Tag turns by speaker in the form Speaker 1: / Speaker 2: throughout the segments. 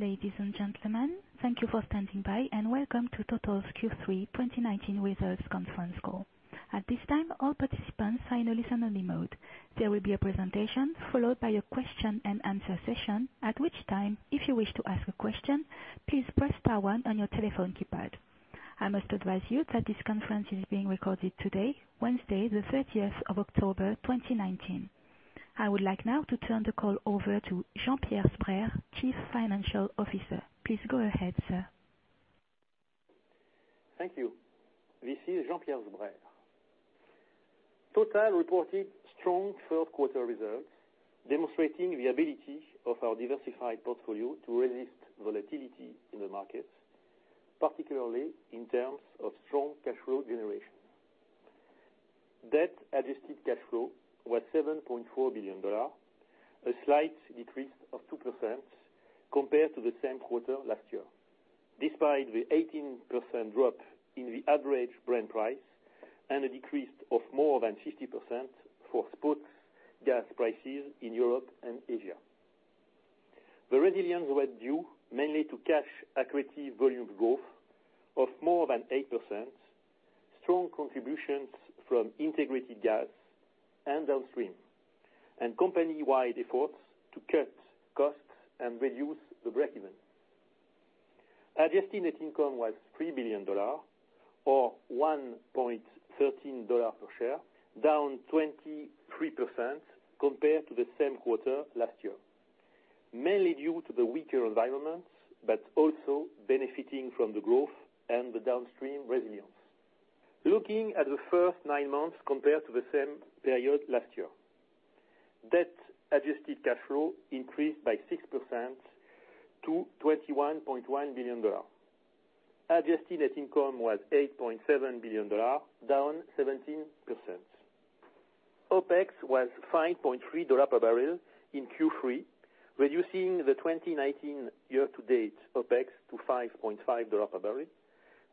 Speaker 1: Ladies and gentlemen, thank you for standing by and welcome to Total's Q3 2019 Results Conference Call. At this time, all participants are in a listen-only mode. There will be a presentation followed by a question and answer session, at which time, if you wish to ask a question, please press star one on your telephone keypad. I must advise you that this conference is being recorded today, Wednesday, the 30th of October 2019. I would like now to turn the call over to Jean-Pierre Sbraire, Chief Financial Officer. Please go ahead, sir.
Speaker 2: Thank you. This is Jean-Pierre Sbraire. Total reported strong third quarter results, demonstrating the ability of our diversified portfolio to resist volatility in the markets, particularly in terms of strong cash flow generation. Debt-adjusted cash flow was $7.4 billion, a slight decrease of 2% compared to the same quarter last year, despite the 18% drop in the average Brent price and a decrease of more than 50% for spot gas prices in Europe and Asia. The resilience was due mainly to cash accretive volume growth of more than 8%, strong contributions from Integrated Gas and downstream, and company-wide efforts to cut costs and reduce the breakeven. Adjusted net income was $3 billion or $1.13 per share, down 23% compared to the same quarter last year, mainly due to the weaker environment, but also benefiting from the growth and the downstream resilience. Looking at the first nine months compared to the same period last year. Debt-adjusted cash flow increased by 6% to EUR 21.1 billion. Adjusted net income was EUR 8.7 billion, down 17%. OPEX was EUR 5.3 per barrel in Q3, reducing the 2019 year-to-date OPEX to EUR 5.5 per barrel,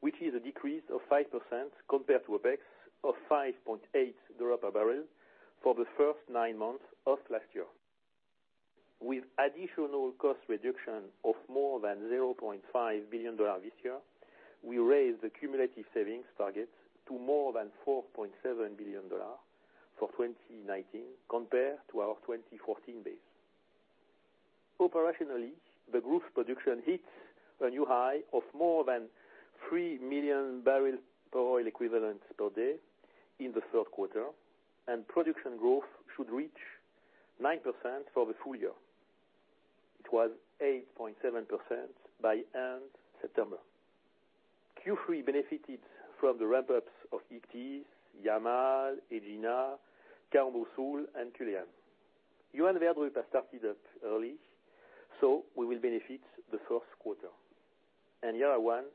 Speaker 2: which is a decrease of 5% compared to OPEX of EUR 5.8 per barrel for the first nine months of last year. With additional cost reduction of more than EUR 0.5 billion this year, we raised the cumulative savings target to more than EUR 4.7 billion for 2019 compared to our 2014 base. Operationally, the group's production hits a new high of more than 3 million barrel per oil equivalent per day in the third quarter, and production growth should reach 9% for the full year. It was 8.7% by end September. Q3 benefited from the ramp-ups of Ichthys, Yamal, Egina, Kaombo Sul and Culzean. Johan Sverdrup will be started up early, so we will benefit the first quarter. Iara One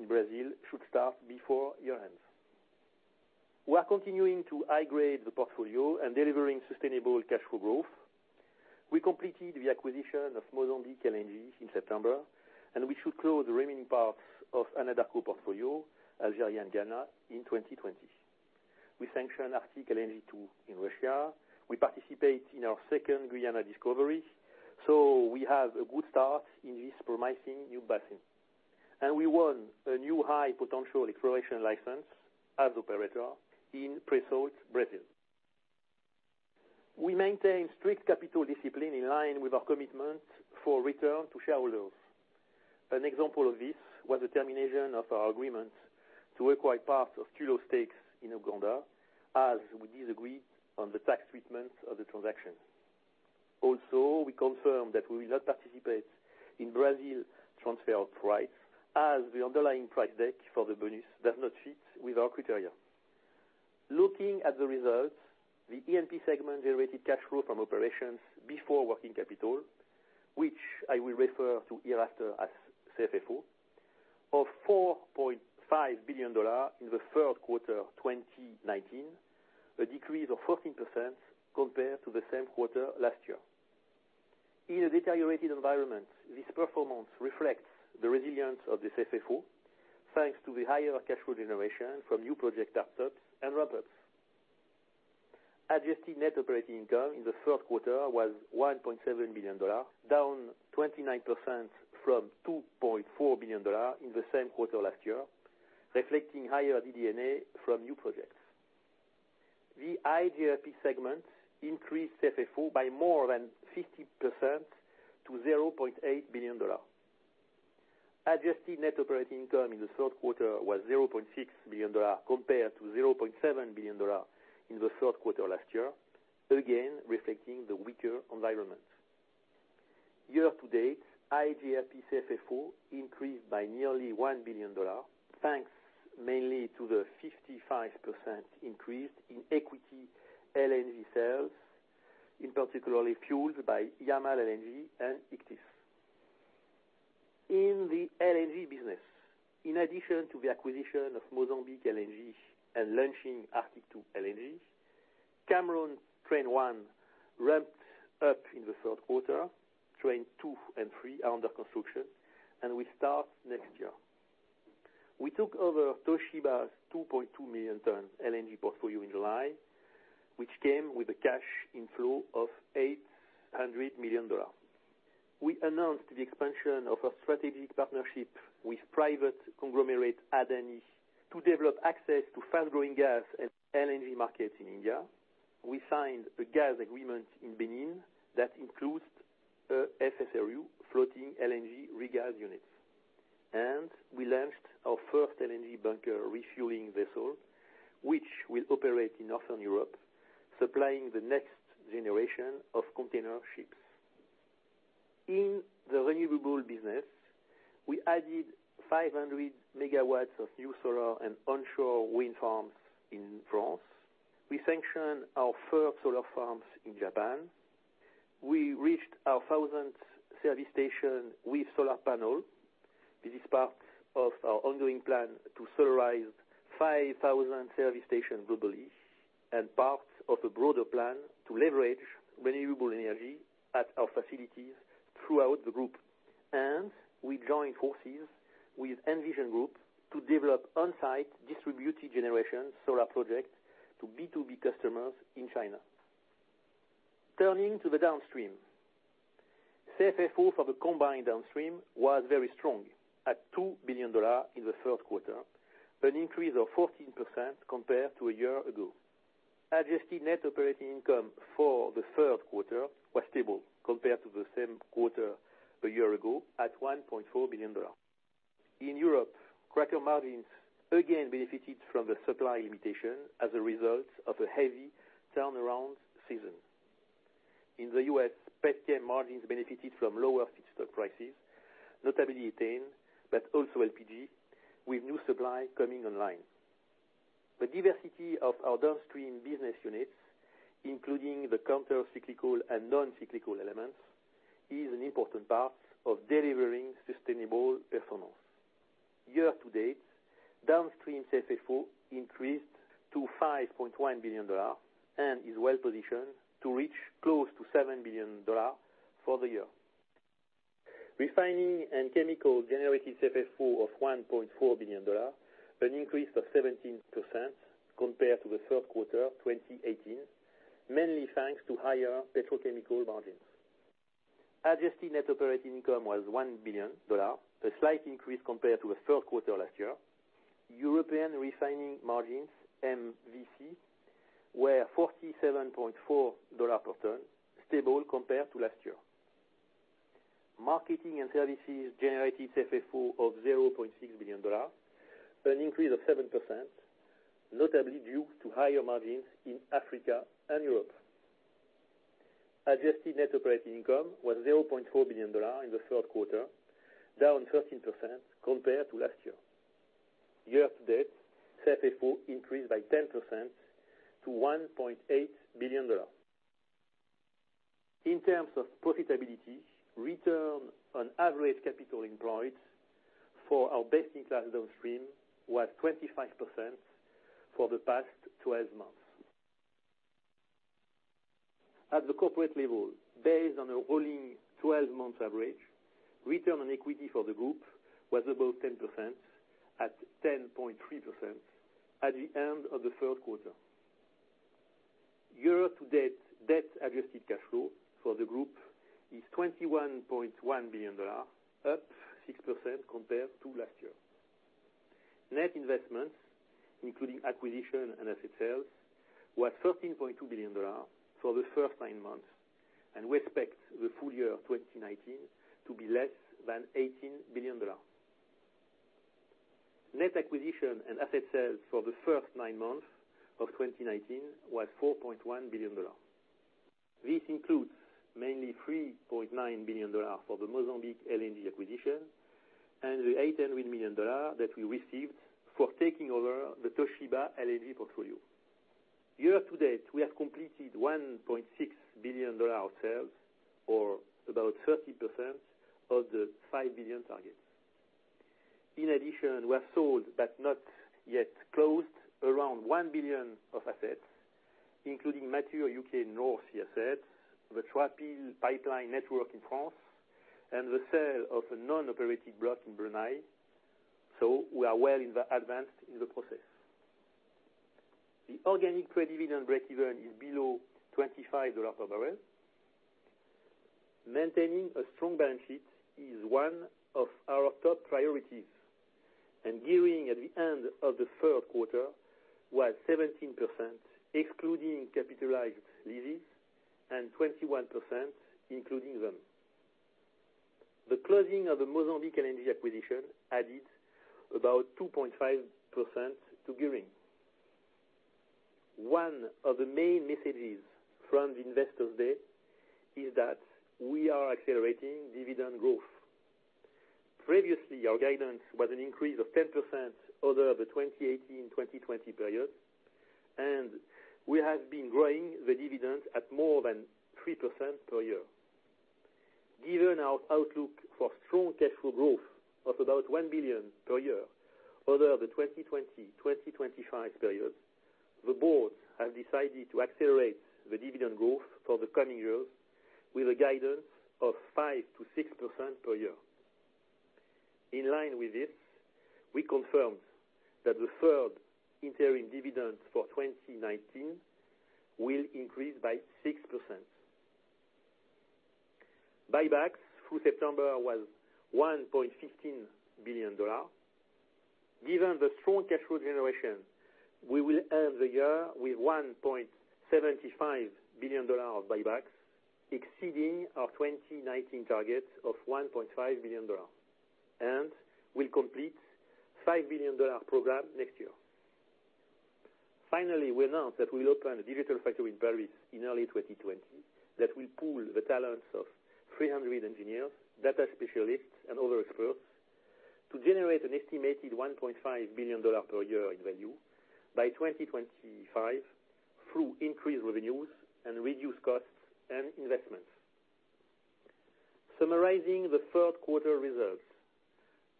Speaker 2: in Brazil should start before year-end. We are continuing to high-grade the portfolio and delivering sustainable cash flow growth. We completed the acquisition of Mozambique LNG in September, and we should close the remaining parts of Anadarko portfolio, Algeria and Ghana, in 2020. We sanction Arctic LNG 2 in Russia. We participate in our second Guyana discovery, so we have a good start in this promising new basin. We won a new high-potential exploration license as operator in pre-salt Brazil. We maintain strict capital discipline in line with our commitment for return to shareholders. An example of this was the termination of our agreement to acquire part of Tullow's stakes in Uganda as we disagreed on the tax treatment of the transaction. Also, we confirm that we will not participate in Brazil's transfer of rights as the underlying price deck for the bonus does not fit with our criteria. Looking at the results, the E&P segment generated cash flow from operations before working capital, which I will refer to hereafter as CFFO, of $4.5 billion in the third quarter 2019, a decrease of 14% compared to the same quarter last year. In a deteriorated environment, this performance reflects the resilience of this CFFO, thanks to the higher cash flow generation from new project startups and ramp-ups. Adjusted net operating income in the third quarter was $1.7 billion, down 29% from $2.4 billion in the same quarter last year, reflecting higher DD&A from new projects. The iGRP segment increased CFFO by more than 50% to $0.8 billion. Adjusted net operating income in the third quarter was $0.6 billion compared to $0.7 billion in the third quarter last year, again, reflecting the weaker environment. Year to date, iGRP CFFO increased by nearly $1 billion, thanks mainly to the 55% increase in equity LNG sales, in particularly fueled by Yamal LNG and Ichthys. In the LNG business, in addition to the acquisition of Mozambique LNG and launching Arctic LNG 2, Cameron Train 1 ramped up in the third quarter. Train 2 and 3 are under construction and will start next year. We took over Toshiba's 2.2 million ton LNG portfolio in July, which came with a cash inflow of $800 million. We announced the expansion of a strategic partnership with private conglomerate Adani to develop access to fast-growing gas and LNG markets in India. We signed a gas agreement in Benin that includes a FSRU floating LNG regas unit. We launched our first LNG bunker refueling vessel, which will operate in Northern Europe, supplying the next generation of container ships. In the renewable business, we added 500 MW of new solar and onshore wind farms in France. We sanctioned our first solar farms in Japan. We reached our 1,000th service station with solar panel. This is part of our ongoing plan to solarize 5,000 service stations globally and part of a broader plan to leverage renewable energy at our facilities throughout the group. We joined forces with Envision Group to develop on-site distributed generation solar project to B2B customers in China. Turning to the downstream. CFFO for the combined downstream was very strong at $2 billion in the third quarter, an increase of 14% compared to a year ago. Adjusted net operating income for the third quarter was stable compared to the same quarter a year ago at EUR 1.4 billion. In Europe, cracker margins again benefited from the supply limitation as a result of a heavy turnaround season. In the U.S., petchem margins benefited from lower feedstock prices, notably ethane, but also LPG, with new supply coming online. The diversity of our downstream business units, including the counter cyclical and non-cyclical elements, is an important part of delivering sustainable performance. Year-to-date, downstream CFFO increased to EUR 5.1 billion and is well positioned to reach close to EUR 7 billion for the year. Refining and Chemicals generated CFFO of EUR 1.4 billion, an increase of 17% compared to the third quarter 2018, mainly thanks to higher petrochemical margins. Adjusted net operating income was EUR 1 billion, a slight increase compared to the third quarter last year. European refining margins, ERMI, were EUR 47.4 per ton, stable compared to last year. Marketing and services generated CFFO of EUR 0.6 billion, an increase of 7%, notably due to higher margins in Africa and Europe. Adjusted net operating income was EUR 0.4 billion in the third quarter, down 13% compared to last year. Year-to-date, CFFO increased by 10% to EUR 1.8 billion. In terms of profitability, return on average capital employed for our best-in-class downstream was 25% for the past 12 months. At the corporate level, based on a rolling 12-month average, return on equity for the group was above 10% at 10.3% at the end of the third quarter. Year-to-date, debt-adjusted cash flow for the group is $21.1 billion, up 6% compared to last year. Net investments, including acquisition and asset sales, were EUR 13.2 billion for the first nine months, and we expect the full year 2019 to be less than EUR 18 billion. Net acquisition and asset sales for the first nine months of 2019 was EUR 4.1 billion. This includes mainly EUR 3.9 billion for the Mozambique LNG acquisition and the EUR 800 million that we received for taking over the Toshiba LNG portfolio. Year to date, we have completed EUR 1.6 billion of sales, or about 30% of the 5 billion target. In addition, we have sold but not yet closed around 1 billion of assets, including mature U.K. North Sea asset, the Trapil pipeline network in France, and the sale of a non-operative block in Brunei. We are well advanced in the process. The organic pre-dividend breakeven is below $25 per barrel. Maintaining a strong balance sheet is one of our top priorities, and gearing at the end of the third quarter was 17%, excluding capitalized leases, and 21% including them. The closing of the Mozambique energy acquisition added about 2.5% to gearing. One of the main messages from the investors' day is that we are accelerating dividend growth. Previously, our guidance was an increase of 10% over the 2018-2020 period, and we have been growing the dividend at more than 3% per year. Given our outlook for strong cash flow growth of about 1 billion per year over the 2020-2025 period. The board has decided to accelerate the dividend growth for the coming years with a guidance of 5%-6% per year. In line with this, we confirm that the third interim dividend for 2019 will increase by 6%. Buybacks through September was EUR 1.15 billion. Given the strong cash flow generation, we will end the year with EUR 1.75 billion of buybacks, exceeding our 2019 target of EUR 1.5 billion. We'll complete EUR 5 billion program next year. Finally, we announce that we'll open a digital factory in Paris in early 2020 that will pool the talents of 300 engineers, data specialists and other experts, to generate an estimated EUR 1.5 billion per year in value by 2025, through increased revenues and reduced costs and investments. Summarizing the third quarter results.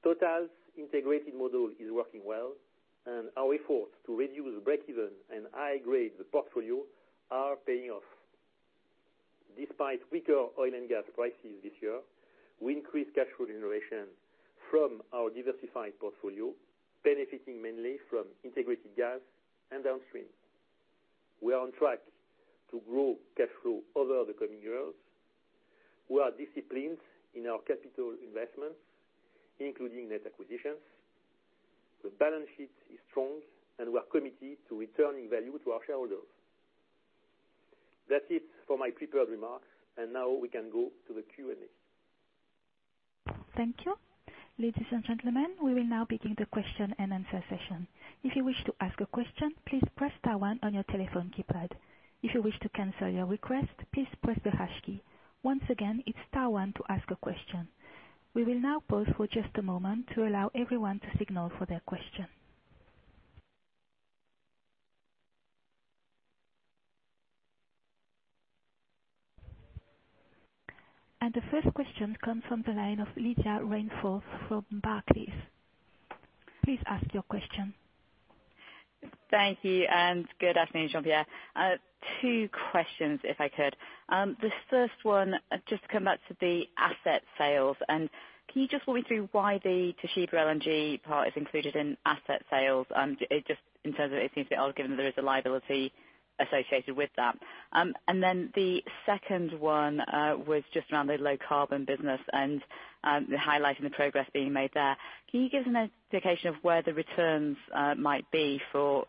Speaker 2: TotalEnergies' integrated model is working well. Our efforts to reduce breakeven and high-grade the portfolio are paying off. Despite weaker oil and gas prices this year, we increased cash flow generation from our diversified portfolio, benefiting mainly from integrated gas and downstream. We are on track to grow cash flow over the coming years. We are disciplined in our capital investments, including net acquisitions. The balance sheet is strong, and we are committed to returning value to our shareholders. That's it for my prepared remarks, and now we can go to the Q&A.
Speaker 1: Thank you. Ladies and gentlemen, we will now begin the question-and-answer session. If you wish to ask a question, please press star one on your telephone keypad. If you wish to cancel your request, please press the hash key. Once again, it's star one to ask a question. We will now pause for just a moment to allow everyone to signal for their question. The first question comes from the line of Lydia Rainforth from Barclays. Please ask your question.
Speaker 3: Thank you. Good afternoon, Jean-Pierre. Two questions, if I could. The first one, just to come back to the asset sales. Can you just walk me through why the Toshiba LNG part is included in asset sales, just in terms of it seems a bit odd given that there is a liability associated with that. The second one, was just around the low carbon business and the highlight and the progress being made there. Can you give us an indication of where the returns might be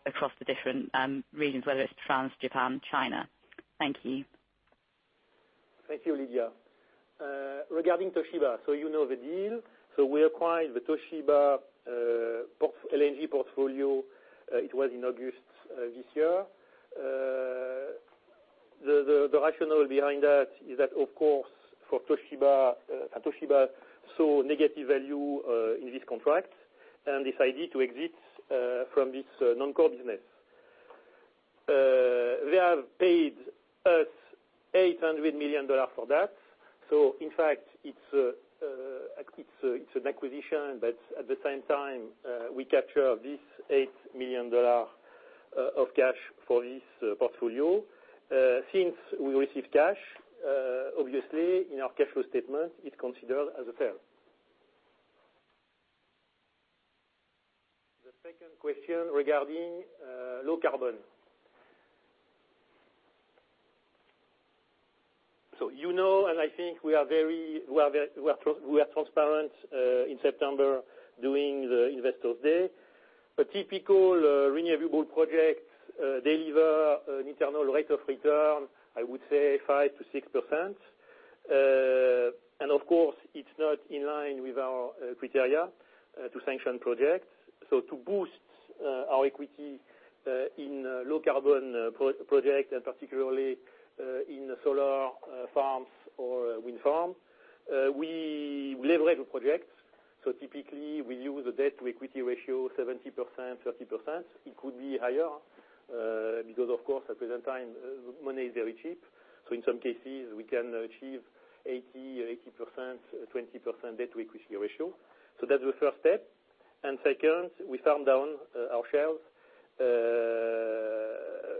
Speaker 3: across the different regions, whether it's France, Japan, China? Thank you.
Speaker 2: Thank you, Lydia. Regarding Toshiba, you know the deal. We acquired the Toshiba LNG portfolio, it was in August this year. The rationale behind that is that, of course, for Toshiba, saw negative value in this contract and decided to exit from this non-core business. They have paid us EUR 800 million for that. In fact, it's an acquisition, but at the same time, we capture this EUR 8 million of cash for this portfolio. Since we received cash, obviously, in our cash flow statement, it's considered as a sale. The second question regarding low carbon. You know, and I think we are transparent, in September during the Investor Day. A typical renewable project deliver an internal rate of return, I would say 5%-6%. Of course, it's not in line with our criteria to sanction projects. To boost our equity in low-carbon projects, and particularly in solar farms or wind farm, we leverage projects. Typically, we use a debt-to-equity ratio, 70%/30%. It could be higher, because of course, at present time, money is very cheap. In some cases, we can achieve 80/20% debt-to-equity ratio. That's the first step. Second, we sell down our shares,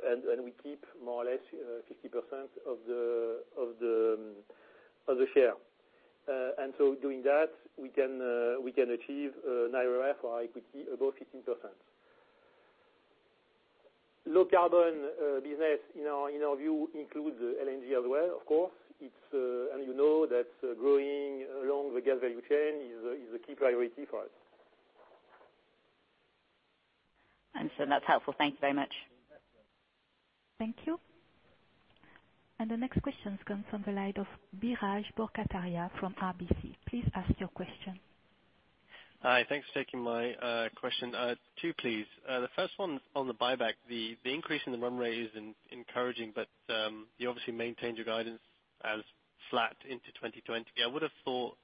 Speaker 2: and we keep more or less 50% of the share. Doing that, we can achieve an IRR or equity above 15%. Low-carbon business, in our view, includes LNG as well, of course. You know that growing along the gas value chain is a key priority for us.
Speaker 3: Understood. That's helpful. Thank you very much.
Speaker 2: You bet.
Speaker 1: Thank you. The next question comes from the line of Biraj Borkhataria from RBC. Please ask your question.
Speaker 4: Hi, thanks for taking my question. Two, please. The first one on the buyback. The increase in the run rate is encouraging. You obviously maintained your guidance as flat into 2020. I would have thought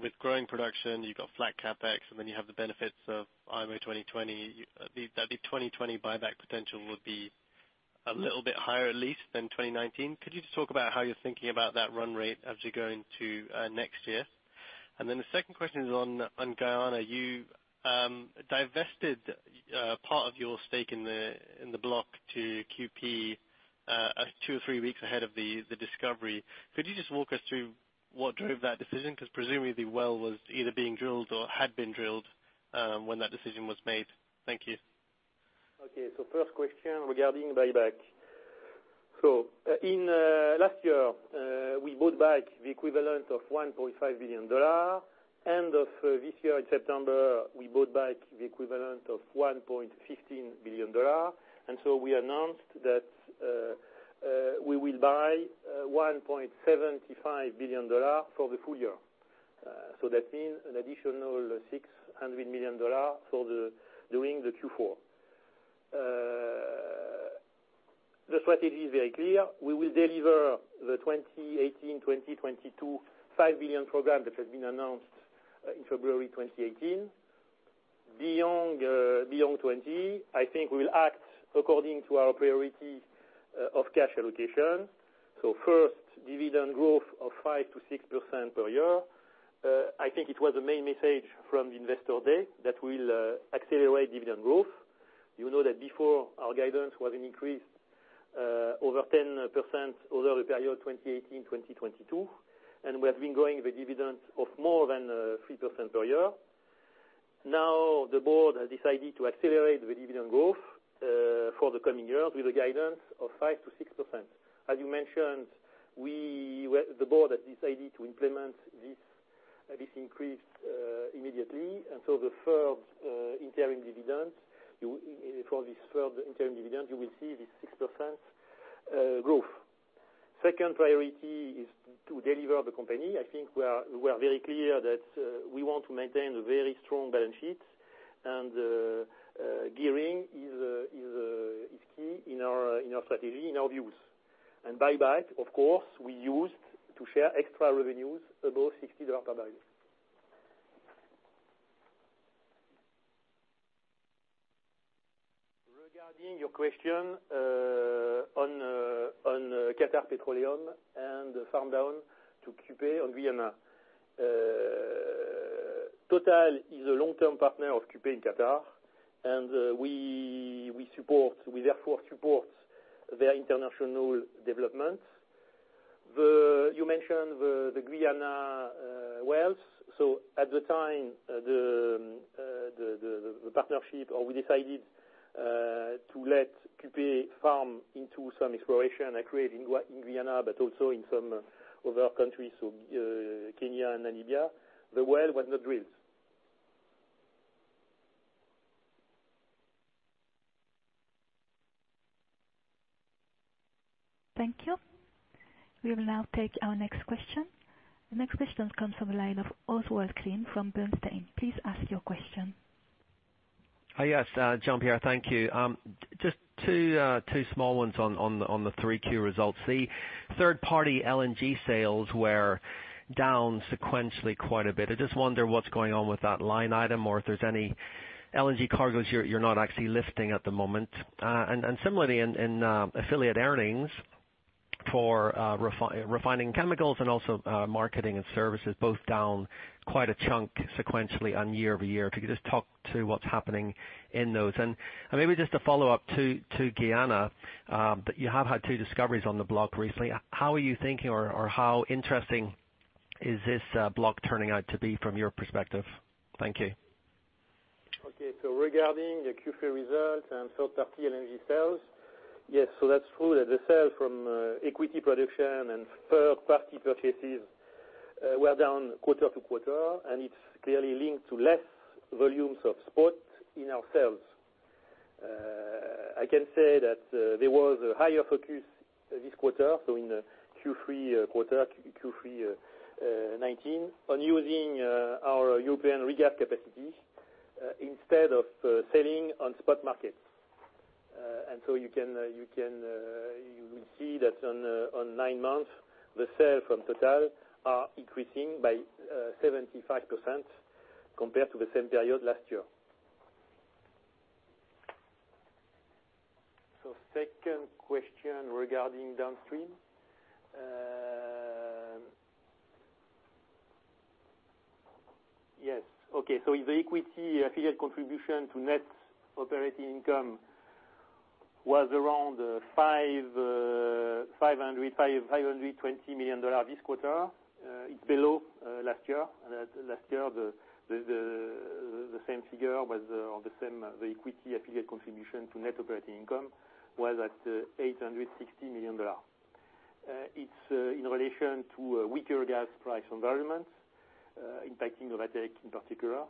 Speaker 4: with growing production, you got flat CapEx, and then you have the benefits of IMO 2020. That the 2020 buyback potential would be a little bit higher at least than 2019. Could you just talk about how you're thinking about that run rate as you go into next year? The second question is on Guyana. You divested part of your stake in the block to QP two or three weeks ahead of the discovery. Could you just walk us through what drove that decision? Because presumably, the well was either being drilled or had been drilled when that decision was made. Thank you.
Speaker 2: Okay. First question regarding buyback. Last year, we bought back the equivalent of $1.5 billion. End of this year in September, we bought back the equivalent of $1.15 billion. We announced that we will buy $1.75 billion for the full year. That means an additional $600 million during the Q4. The strategy is very clear. We will deliver the 2018-2022 $5 billion program that has been announced in February 2018. Beyond 2020, I think we will act according to our priority of cash allocation. First, dividend growth of 5%-6% per year. I think it was the main message from the investor day that we will accelerate dividend growth. You know that before, our guidance was an increase over 10% over the period 2018-2022. We have been growing the dividend of more than 3% per year. The board has decided to accelerate the dividend growth for the coming years with a guidance of 5%-6%. As you mentioned, the board has decided to implement this increase immediately. For this third interim dividend, you will see this 6% growth. Second priority is to deliver the company. I think we are very clear that we want to maintain a very strong balance sheet, and gearing is key in our strategy, in our views. Buyback, of course, we used to share extra revenues above EUR 60 per barrel. Regarding your question on Qatar Petroleum and the farm down to QP on Guyana. Total is a long-term partner of QP in Qatar, and we therefore support their international development. You mentioned the Guyana wells. At the time, the partnership, we decided to let QP farm into some exploration acreage in Guyana, but also in some other countries, so Kenya and Namibia. The well was not drilled.
Speaker 1: Thank you. We will now take our next question. The next question comes from the line of Oswald Clint from Bernstein. Please ask your question.
Speaker 5: Yes, Jean-Pierre, thank you. Just two small ones on the 3Q results. The third-party LNG sales were down sequentially quite a bit. I just wonder what's going on with that line item, or if there's any LNG cargoes you're not actually lifting at the moment. Similarly, in affiliate earnings for refining chemicals and also marketing and services, both down quite a chunk sequentially on year-over-year. If you could just talk to what's happening in those. Maybe just a follow-up to Guyana, that you have had two discoveries on the block recently. How are you thinking, or how interesting is this block turning out to be from your perspective? Thank you.
Speaker 2: Okay. Regarding the Q3 results and third party LNG sales. Yes, that's true that the sales from equity production and third-party purchases were down quarter to quarter, and it's clearly linked to less volumes of spot in our sales. I can say that there was a higher focus this quarter, in the Q3 quarter, Q3 2019, on using our European regas capacity instead of selling on spot markets. You will see that on nine months, the sale from Total are increasing by 75% compared to the same period last year. Second question regarding downstream. Yes. Okay. If the equity affiliate contribution to net operating income was around EUR 520 million this quarter, it's below last year. Last year, the same figure was on the same equity affiliate contribution to net operating income was at EUR 860 million. It's in relation to a weaker gas price environment impacting Novatek in particular,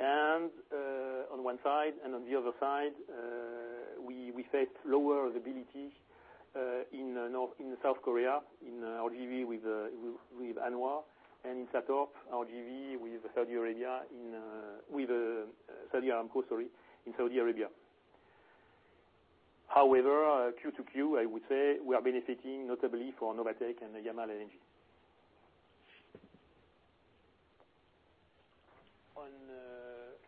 Speaker 2: on one side. On the other side, we faced lower availability in South Korea, in RGV with Hanwha, and in SATORP, RGV with Saudi Aramco in Saudi Arabia. Q to Q, I would say we are benefiting notably from Novatek and Yamal LNG.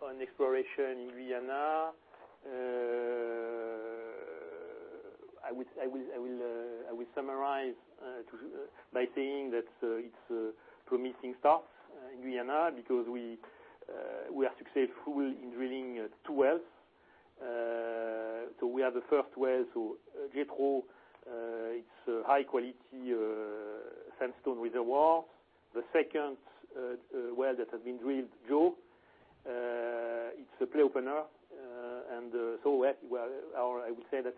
Speaker 2: On exploration in Guyana, I will summarize by saying that it's a promising start in Guyana because we are successful in drilling two wells. We have the first well, Jethro, it's a high-quality sandstone reservoir. The second well that has been drilled, Joe, it's a play opener. I would say that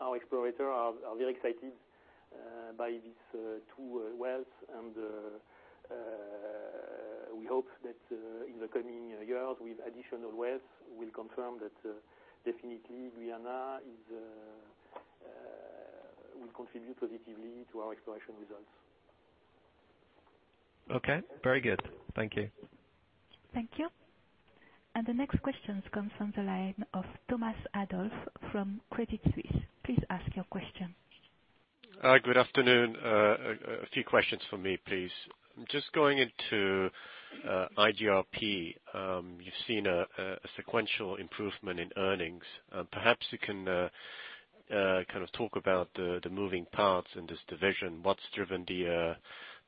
Speaker 2: our explorers are very excited by these two wells, and we hope that in the coming years, with additional wells, we'll confirm that definitely Guyana will contribute positively to our exploration results.
Speaker 5: Okay. Very good. Thank you.
Speaker 1: Thank you. The next questions comes from the line of Thomas Adolff from Credit Suisse. Please ask your question.
Speaker 6: Hi, good afternoon. A few questions from me, please. Just going into iGRP, you've seen a sequential improvement in earnings. Perhaps you can talk about the moving parts in this division. What's driven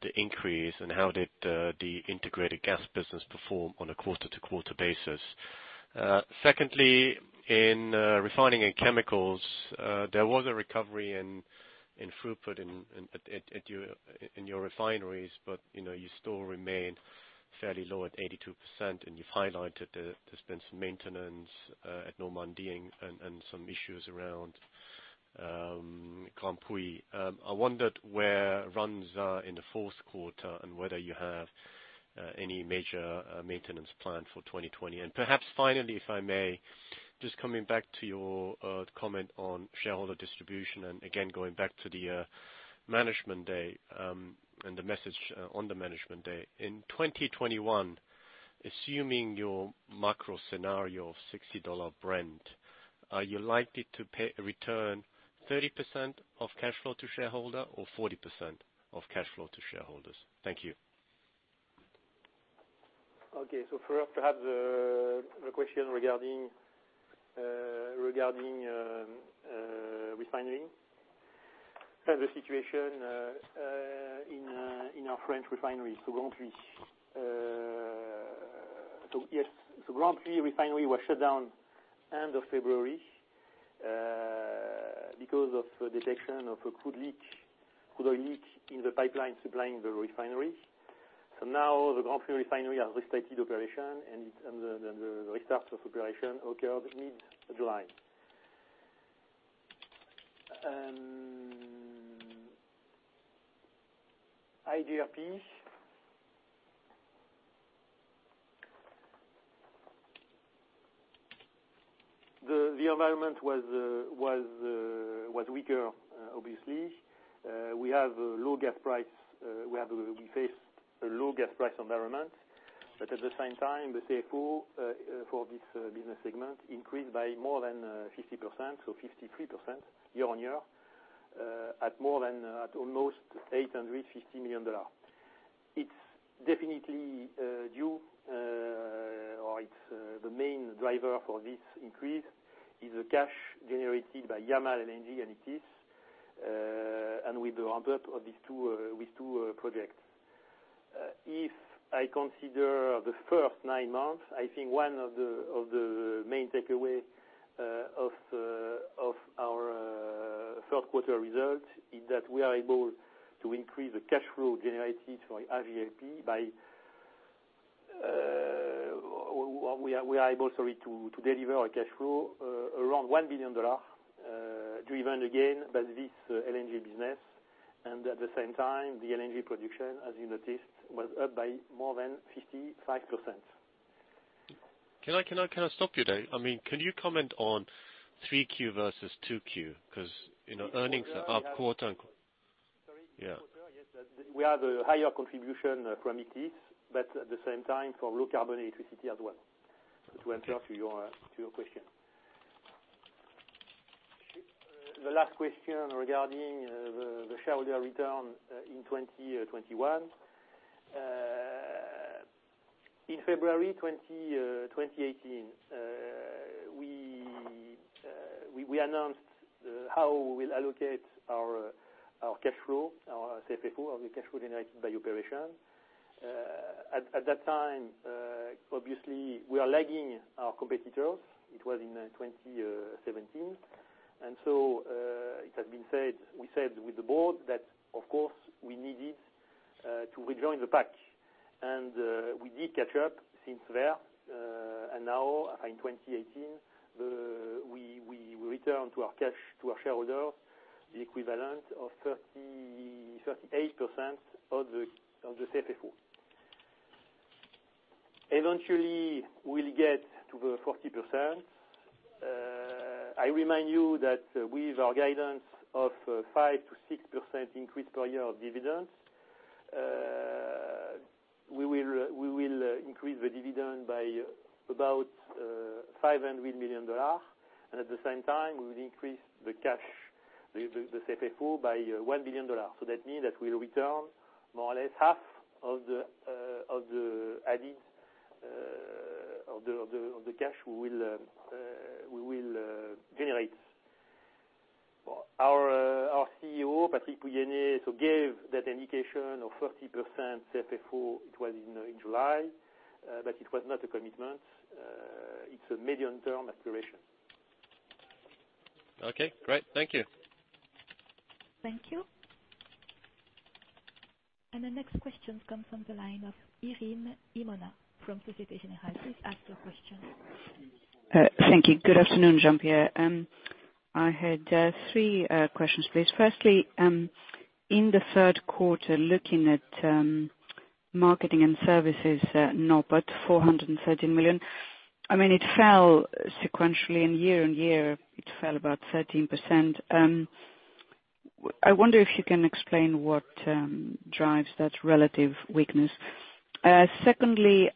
Speaker 6: the increase, and how did the integrated gas business perform on a quarter-to-quarter basis? Secondly, in Refining & Chemicals, there was a recovery in throughput in your refineries, but you still remain fairly low at 82%, and you've highlighted there's been some maintenance at Normandie and some issues around Grandpuits. I wondered where runs are in the fourth quarter and whether you have any major maintenance plan for 2020. Perhaps finally, if I may, just coming back to your comment on shareholder distribution and again, going back to the management day, and the message on the management day. In 2021, assuming your macro scenario of $60 Brent, are you likely to pay a return 30% of cash flow to shareholder or 40% of cash flow to shareholders? Thank you.
Speaker 2: Okay. First, perhaps the question regarding refinery and the situation in our French refinery. Grandpuits refinery was shut down end of February because of detection of a crude oil leak in the pipeline supplying the refinery. Now the Grandpuits refinery has restarted operation, and the restart of operation occurred mid-July. iGRP. The environment was weaker, obviously. We faced a low gas price environment, but at the same time, the CFFO for this business segment increased by more than 50%, so 53% year-on-year, at almost EUR 850 million. The main driver for this increase is the cash generated by Yamal LNG and Ichthys, and with the ramp-up of these two projects. If I consider the first nine months, I think one of the main takeaway of our third quarter results is that we are able to increase the cash flow generated from iGRP. We are able, sorry, to deliver a cash flow around $1 billion, driven again by this LNG business. At the same time, the LNG production, as you noticed, was up by more than 55%.
Speaker 6: Can I stop you there? Can you comment on 3Q versus 2Q?
Speaker 2: Sorry.
Speaker 6: Yeah.
Speaker 2: Yes. We have a higher contribution from Ichthys, at the same time, for low carbon electricity as well. To answer to your question. The last question regarding the shareholder return in 2021. In February 2018, we announced how we'll allocate our cash flow, our CFFO, our cash flow generated by operation. At that time, obviously, we are lagging our competitors. It was in 2017. It has been said, we said with the board that, of course, we needed to rejoin the pack. We did catch up since there. Now, in 2018, we returned to our shareholder, the equivalent of 38% of the CFFO. Eventually, we'll get to the 40%. I remind you that with our guidance of 5%-6% increase per year of dividends, we will increase the dividend by about EUR 500 million. At the same time, we will increase the cash, the FFO, by EUR 1 billion. That means that we'll return more or less half of the added of the cash we will generate. Our CEO, Patrick Pouyanné, gave that indication of 40% FFO, it was in July, but it was not a commitment. It's a medium-term aspiration.
Speaker 6: Okay, great. Thank you.
Speaker 1: Thank you. The next question comes from the line of Irene Himona from Societe Generale. Please ask your question.
Speaker 7: Thank you. Good afternoon, Jean-Pierre. I had three questions, please. Firstly, in the third quarter, looking at marketing and services, NOPAT 413 million. It fell sequentially, and year on year it fell about 13%. I wonder if you can explain what drives that relative weakness. Secondly,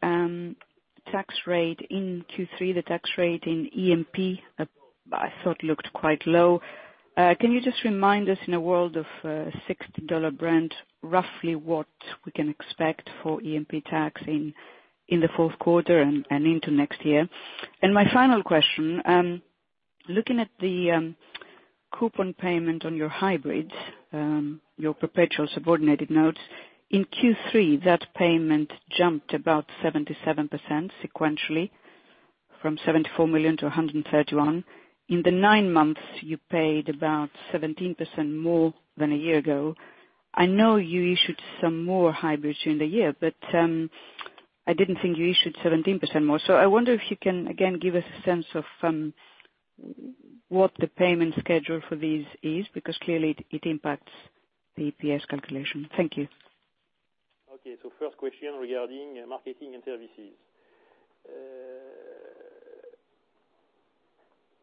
Speaker 7: tax rate in Q3, the tax rate in E&P, I thought looked quite low. Can you just remind us, in a world of $60 Brent, roughly what we can expect for E&P tax in the fourth quarter and into next year? And my final question, looking at the coupon payment on your hybrids, your perpetual subordinated notes, in Q3, that payment jumped about 77% sequentially from 74 million to 131. In the nine months, you paid about 17% more than a year ago. I know you issued some more hybrids during the year, but I didn't think you issued 17% more. I wonder if you can, again, give us a sense of what the payment schedule for these is, because clearly it impacts the EPS calculation. Thank you.
Speaker 2: First question regarding marketing and services.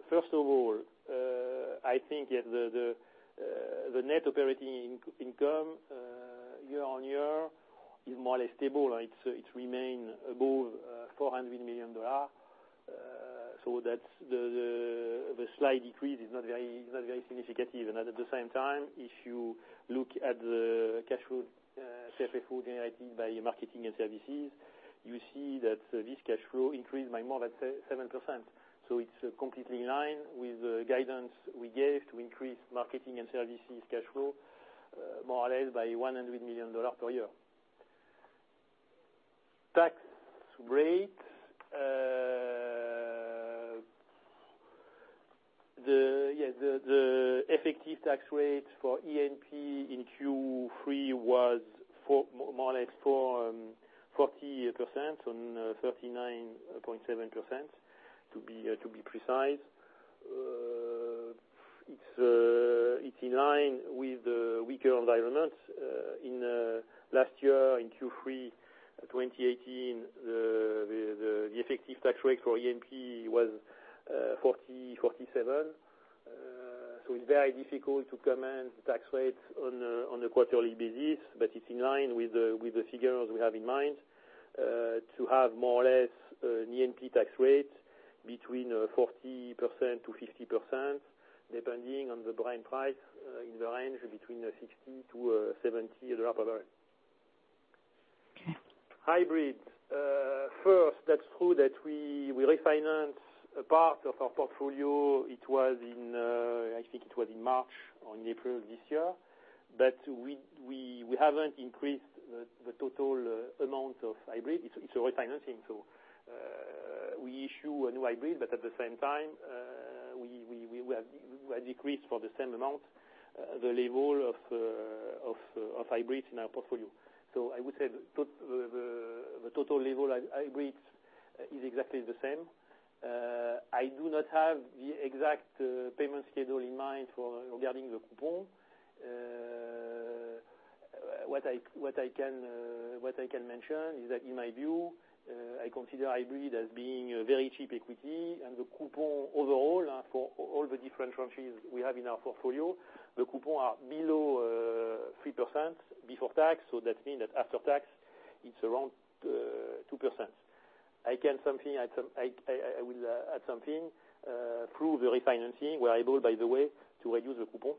Speaker 2: First of all, I think that the net operating income year-on-year is more or less stable. It remain above EUR 400 million. The slight decrease is not very significant. At the same time, if you look at the cash flow, FFO generated by marketing and services, you see that this cash flow increased by more than 7%. It's completely in line with the guidance we gave to increase marketing and services cash flow more or less by EUR 100 million per year. Tax rate. The effective tax rate for E&P in Q3 was more or less 40%, and 39.7% to be precise. It's in line with the weaker environment. Last year, in Q3 2018, the effective tax rate for E&P was 40.47%. It's very difficult to comment the tax rates on a quarterly basis, but it's in line with the figures we have in mind to have more or less an E&P tax rate between 40%-50%, depending on the Brent price in the range between $60-$70 a barrel.
Speaker 7: Okay.
Speaker 2: Hybrids. That's true that we refinance a part of our portfolio. I think it was in March or in April of this year. We haven't increased the total amount of hybrids. It's a refinancing, we issue a new hybrid, at the same time, we have decreased for the same amount, the level of hybrids in our portfolio. I would say the total level of hybrids is exactly the same. I do not have the exact payment schedule in mind regarding the coupon. What I can mention is that in my view, I consider hybrid as being a very cheap equity and the coupon overall for all the different tranches we have in our portfolio, the coupon are below 3% before tax. That means that after tax, it's around 2%. I will add something. Through the refinancing, we are able, by the way, to reduce the coupon.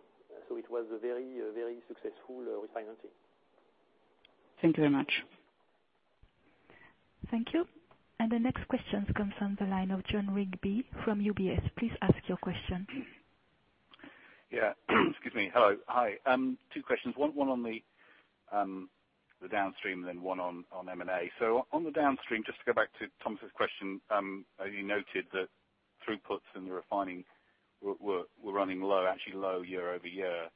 Speaker 2: It was a very successful refinancing.
Speaker 7: Thank you very much.
Speaker 1: Thank you. The next question comes from the line of Jon Rigby from UBS. Please ask your question.
Speaker 8: Excuse me. Hello. Hi. Two questions. One on the downstream, one on M&A. On the downstream, just to go back to Thomas' question, you noted that throughputs and the refining were running low, actually low year-over-year.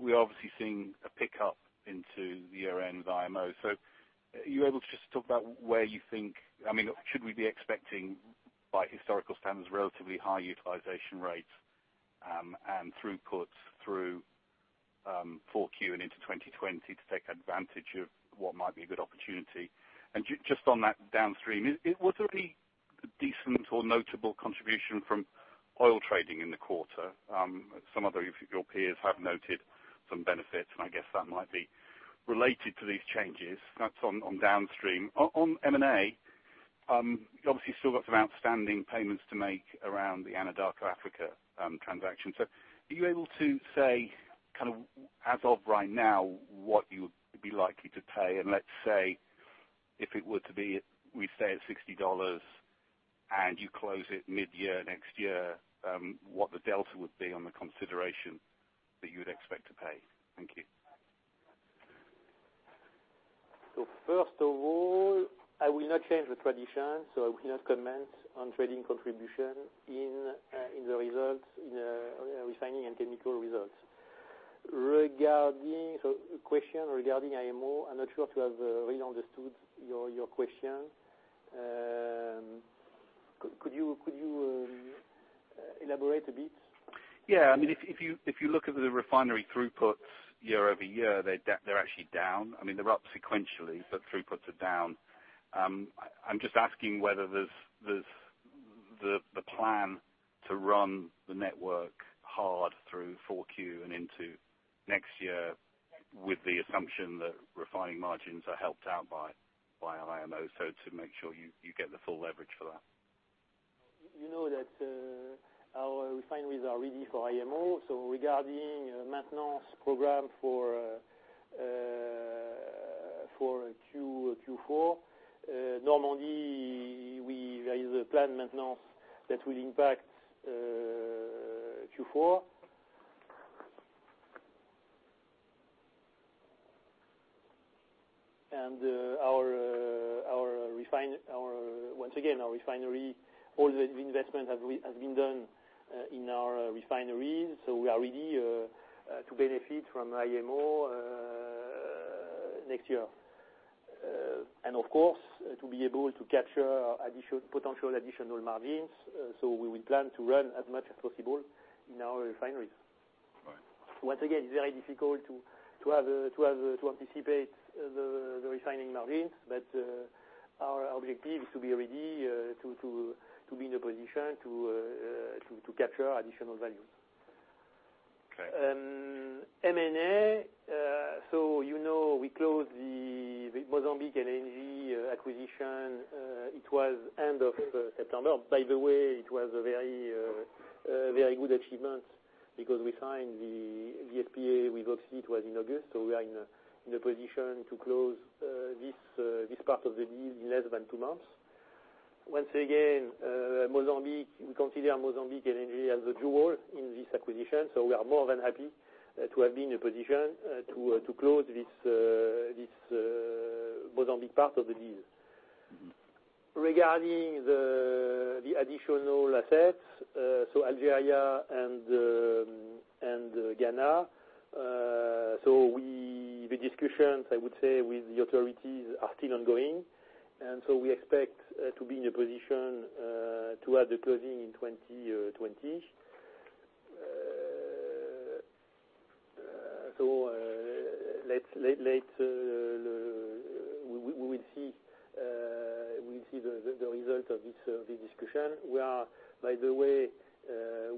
Speaker 8: We're obviously seeing a pickup into the year-end with IMO. Are you able to just talk about, should we be expecting, by historical standards, relatively high utilization rates and throughputs through 4Q and into 2020 to take advantage of what might be a good opportunity? Just on that downstream, was there any decent or notable contribution from Oil trading in the quarter. Some other of your peers have noted some benefits, I guess that might be related to these changes. That's on downstream. On M&A, you obviously still got some outstanding payments to make around the Anadarko Africa transaction. Are you able to say as of right now what you would be likely to pay, and let's say if it were to be, we say at $60 and you close it mid-year next year, what the delta would be on the consideration that you would expect to pay? Thank you.
Speaker 2: First of all, I will not change the tradition, so I will not comment on trading contribution in the results, in the refining and technical results. The question regarding IMO, I am not sure to have really understood your question. Could you elaborate a bit?
Speaker 8: Yeah. If you look at the refinery throughputs year-over-year, they're actually down. They're up sequentially, but throughputs are down. I'm just asking whether the plan to run the network hard through 4Q and into next year with the assumption that refining margins are helped out by IMO, so to make sure you get the full leverage for that.
Speaker 2: You know that our refineries are ready for IMO. Regarding maintenance program for Q4, Normandy, there is a planned maintenance that will impact Q4. Once again, our refinery, all the investment has been done in our refineries. We are ready to benefit from IMO next year. Of course, to be able to capture potential additional margins, so we will plan to run as much as possible in our refineries.
Speaker 8: Right.
Speaker 2: Once again, it's very difficult to anticipate the refining margins. Our objective is to be ready to be in a position to capture additional value.
Speaker 8: Okay.
Speaker 2: M&A, you know we closed the Mozambique LNG acquisition. It was end of September. By the way, it was a very good achievement because we signed the SPA with Occi, it was in August, so we are in a position to close this part of the deal in less than two months. Once again, we consider Mozambique LNG as a jewel in this acquisition, so we are more than happy to have been in a position to close this Mozambique part of the deal. Regarding the additional assets, so Algeria and Ghana. The discussions, I would say, with the authorities are still ongoing. We expect to be in a position to have the closing in 2020. Later, we will see the result of this discussion. By the way,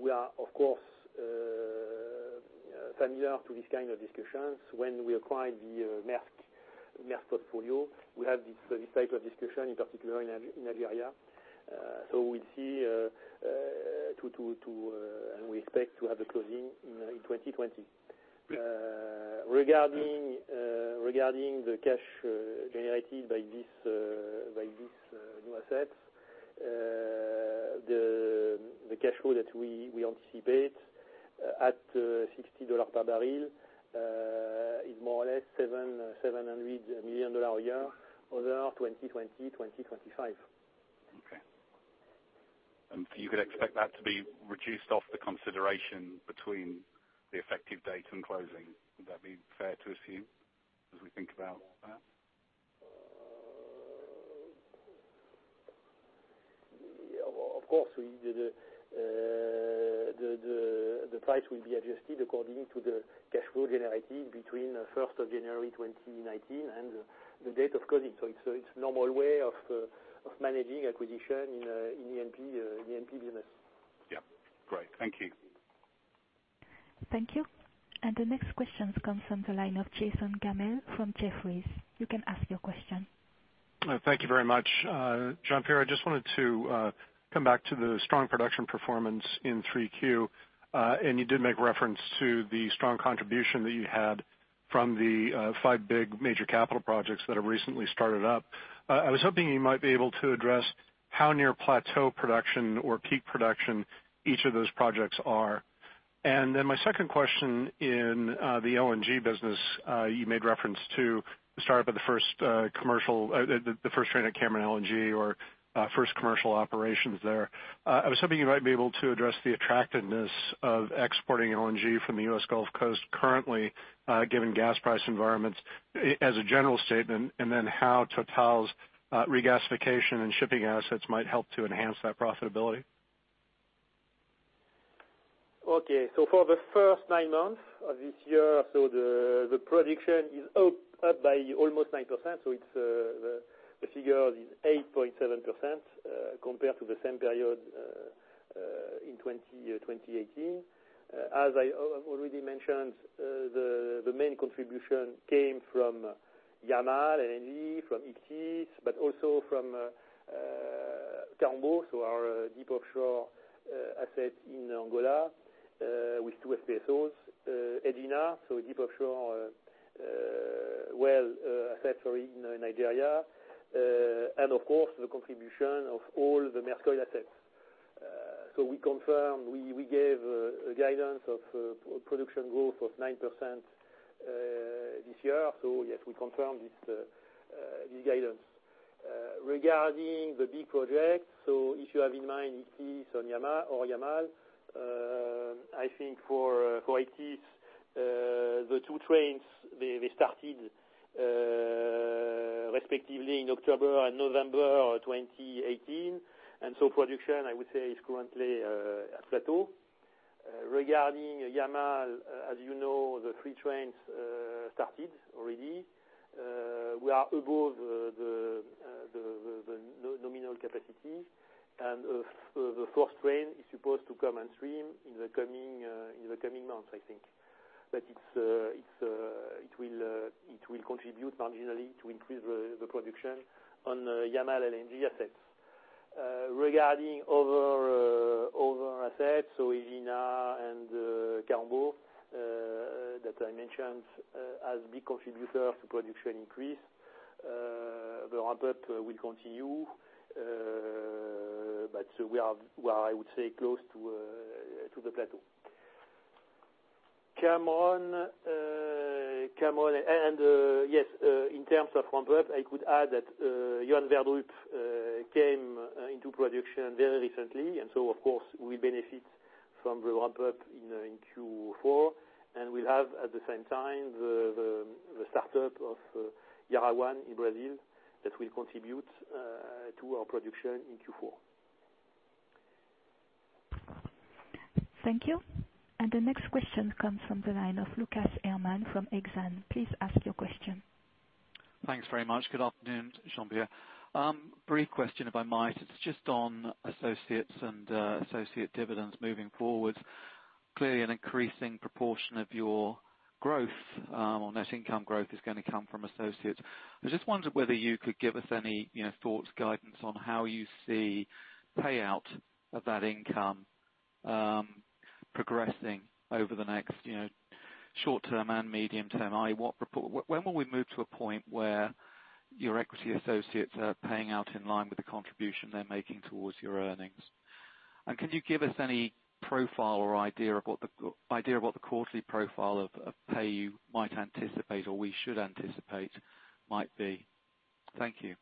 Speaker 2: we are of course, familiar to these kind of discussions. When we acquired the Maersk portfolio, we had this type of discussion, in particular, in Algeria. We'll see and we expect to have a closing in 2020.
Speaker 8: Great.
Speaker 2: Regarding the cash generated by these new assets, the cash flow that we anticipate at $60 per barrel, is more or less $700 million a year over 2020-2025.
Speaker 8: Okay. You could expect that to be reduced off the consideration between the effective date and closing. Would that be fair to assume as we think about that?
Speaker 2: Of course, the price will be adjusted according to the cash flow generated between 1st of January 2019 and the date of closing. It's normal way of managing acquisition in the E&P business.
Speaker 8: Yeah. Great. Thank you.
Speaker 1: Thank you. The next question comes from the line of Jason Gammel from Jefferies. You can ask your question.
Speaker 9: Thank you very much. Jean-Pierre, I just wanted to come back to the strong production performance in 3Q. You did make reference to the strong contribution that you had from the five big major capital projects that have recently started up. I was hoping you might be able to address how near plateau production or peak production each of those projects are. My second question in the LNG business, you made reference to the start of the first train at Cameron LNG or first commercial operations there. I was hoping you might be able to address the attractiveness of exporting LNG from the U.S. Gulf Coast currently, given gas price environments as a general statement, and then how TotalEnergies's regasification and shipping assets might help to enhance that profitability.
Speaker 2: Okay. For the first nine months of this year, the production is up by almost 9%. The figure is 8.7% compared to the same period in 2018. As I have already mentioned, the main contribution came from Yamal LNG, from Ichthys, but also from Kaombo, so our deep offshore asset in Angola, with 2 FPSOs. Egina, so a deep offshore well asset in Nigeria. Of course, the contribution of all the Maersk Oil assets. We confirm, we gave a guidance of production growth of 9% this year. Yes, we confirm this guidance. Regarding the big projects, so if you have in mind Ichthys or Yamal, I think for Ichthys, the 2 trains, they started respectively in October and November of 2018. Production, I would say, is currently at plateau. Regarding Yamal, as you know, the 3 trains started already. We are above the nominal capacity. The fourth train is supposed to come on stream in the coming months, I think. It will contribute marginally to increase the production on Yamal LNG assets. Regarding other assets, Egina and Kaombo, that I mentioned as big contributors to production increase, the ramp-up will continue. We are, I would say, close to the plateau. In terms of ramp-up, I could add that Johan Sverdrup came into production very recently, we benefit from the ramp-up in Q4, and we'll have, at the same time, the startup of Iara in Brazil that will contribute to our production in Q4.
Speaker 1: Thank you. The next question comes from the line of Lucas Herrmann from Exane. Please ask your question.
Speaker 10: Thanks very much. Good afternoon, Jean-Pierre. Brief question, if I might. It's just on associates and associate dividends moving forward. Clearly, an increasing proportion of your growth or net income growth is going to come from associates. I just wondered whether you could give us any thoughts, guidance on how you see payout of that income progressing over the next short-term and medium-term. When will we move to a point where your equity associates are paying out in line with the contribution they're making towards your earnings? Can you give us any profile or idea of what the quarterly profile of pay you might anticipate or we should anticipate might be? Thank you.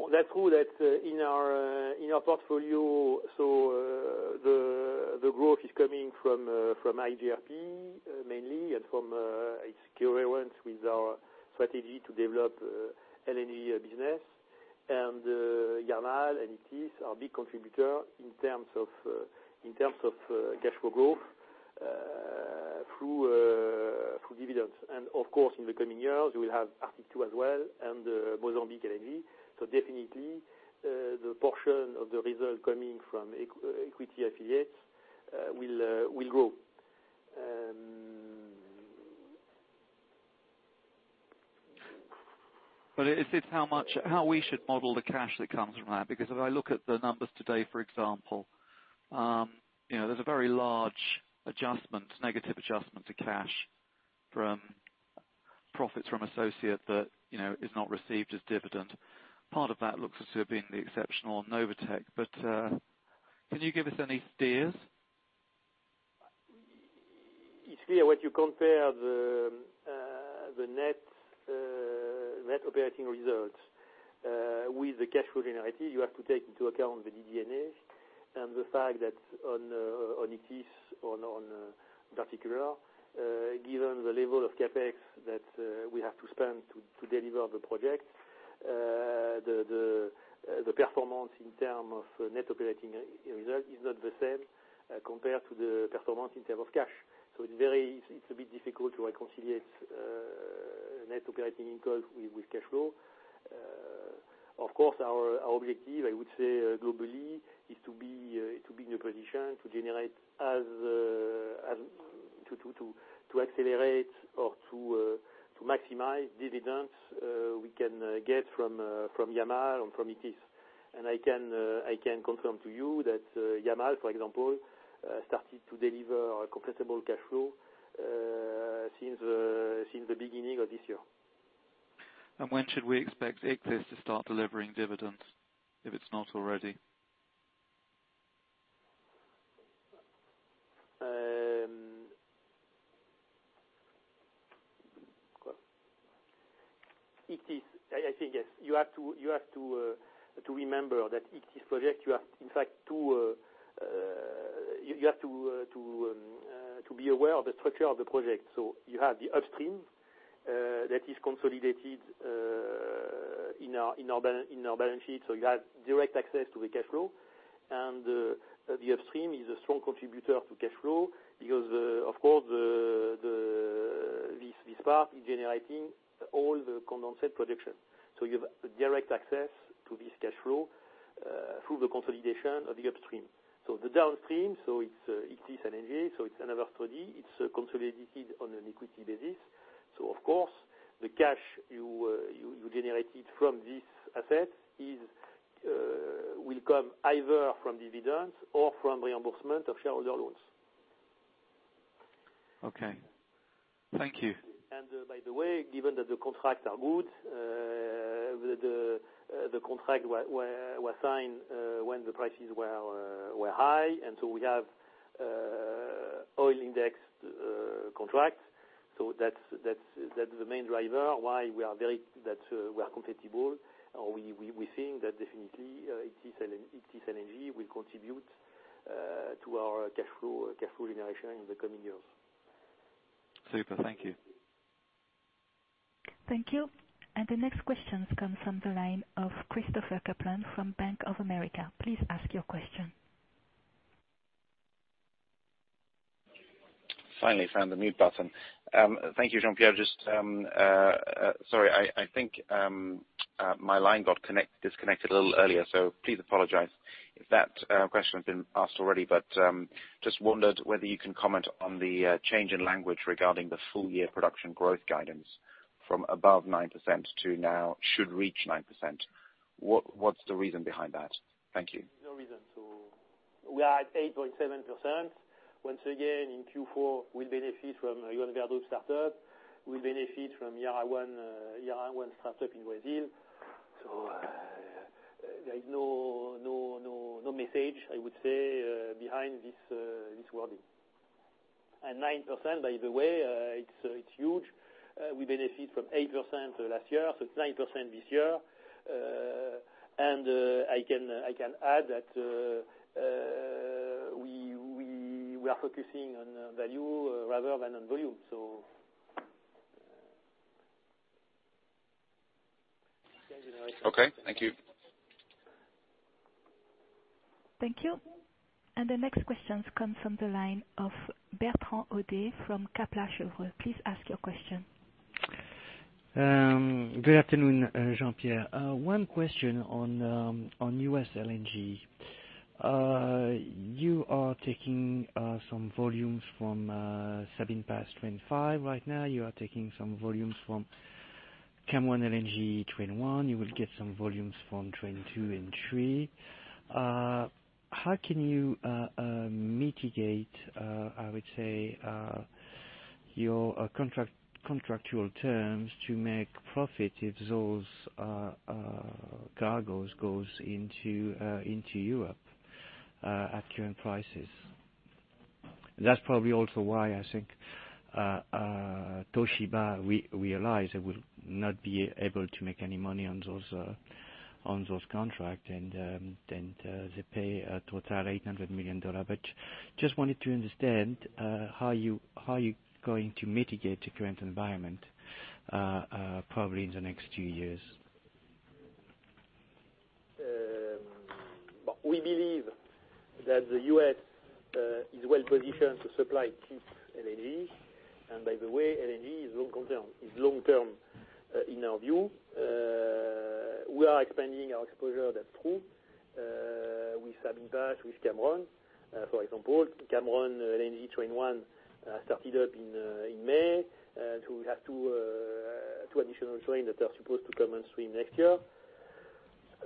Speaker 2: Well, that's true that in our portfolio, the growth is coming from iGRP mainly and from its coherence with our strategy to develop LNG business. Yamal and Ichthys are big contributors in terms of cash flow growth through dividends. Of course, in the coming years, we will have Arctic 2 as well and Mozambique LNG. Definitely, the portion of the result coming from equity affiliates will grow.
Speaker 10: Is it how we should model the cash that comes from that? If I look at the numbers today, for example, there's a very large negative adjustment to cash from profits from associate that is not received as dividend. Part of that looks as to have been the exceptional Novatek. Can you give us any steers?
Speaker 2: It's clear when you compare the net operating results with the cash flow generated, you have to take into account the DD&A and the fact that on Ichthys in particular, given the level of CapEx that we have to spend to deliver the project, the performance in terms of net operating result is not the same compared to the performance in terms of cash. It's a bit difficult to reconcile net operating income with cash flow. Of course, our objective, I would say globally, is to be in a position to accelerate or to maximize dividends we can get from Yamal and from Ichthys. I can confirm to you that Yamal, for example, started to deliver a comfortable cash flow since the beginning of this year.
Speaker 10: When should we expect Ichthys to start delivering dividends, if it's not already?
Speaker 2: Ichthys, I think, yes. You have to remember that Ichthys project, you have to be aware of the structure of the project. You have the upstream that is consolidated in our balance sheet. You have direct access to the cash flow, and the upstream is a strong contributor to cash flow because, of course, this part is generating all the condensate production. You have a direct access to this cash flow through the consolidation of the upstream. The downstream, it's Ichthys LNG, it's another study. It's consolidated on an equity basis. Of course, the cash you generated from this asset will come either from dividends or from reimbursement of shareholder loans.
Speaker 10: Okay. Thank you.
Speaker 2: By the way, given that the contracts are good, the contract was signed when the prices were high, we have oil index contract. That's the main driver why we are competitive, or we think that definitely, Ichthys LNG will contribute to our cash flow generation in the coming years.
Speaker 10: Super. Thank you.
Speaker 1: Thank you. The next questions come from the line of Christopher Kuplent from Bank of America. Please ask your question.
Speaker 11: Finally found the mute button. Thank you, Jean-Pierre. Sorry, I think my line got disconnected a little earlier, so please apologize if that question has been asked already. Just wondered whether you can comment on the change in language regarding the full year production growth guidance from above 9% to now should reach 9%. What's the reason behind that? Thank you.
Speaker 2: No reason. We are at 8.7%. Once again, in Q4, we'll benefit from Johan Sverdrup startup. We'll benefit from Iara 1 startup in Brazil. There is no message, I would say, behind this wording. 9%, by the way, it's huge. We benefit from 8% last year, so it's 9% this year. I can add that we are focusing on value rather than on volume.
Speaker 11: Okay. Thank you.
Speaker 1: Thank you. The next questions come from the line of Bertrand Hodee from Kepler Cheuvreux. Please ask your question.
Speaker 12: Good afternoon, Jean-Pierre. One question on U.S. LNG. You are taking some volumes from Sabine Pass train five right now. You are taking some volumes from Cameron LNG train one. You will get some volumes from train two and three. How can you mitigate, I would say, your contractual terms to make profit if those cargoes goes into Europe, at current prices? That's probably also why I think Toshiba realized they will not be able to make any money on those contract, and they pay Total EUR 800 million. Just wanted to understand, how are you going to mitigate the current environment, probably in the next two years?
Speaker 2: We believe that the U.S. is well-positioned to supply cheap LNG. By the way, LNG is long term, in our view. We are expanding our exposure, that's true, with Sabine Pass, with Cameron. For example, Cameron LNG train 1 started up in May. We have two additional train that are supposed to come on stream next year.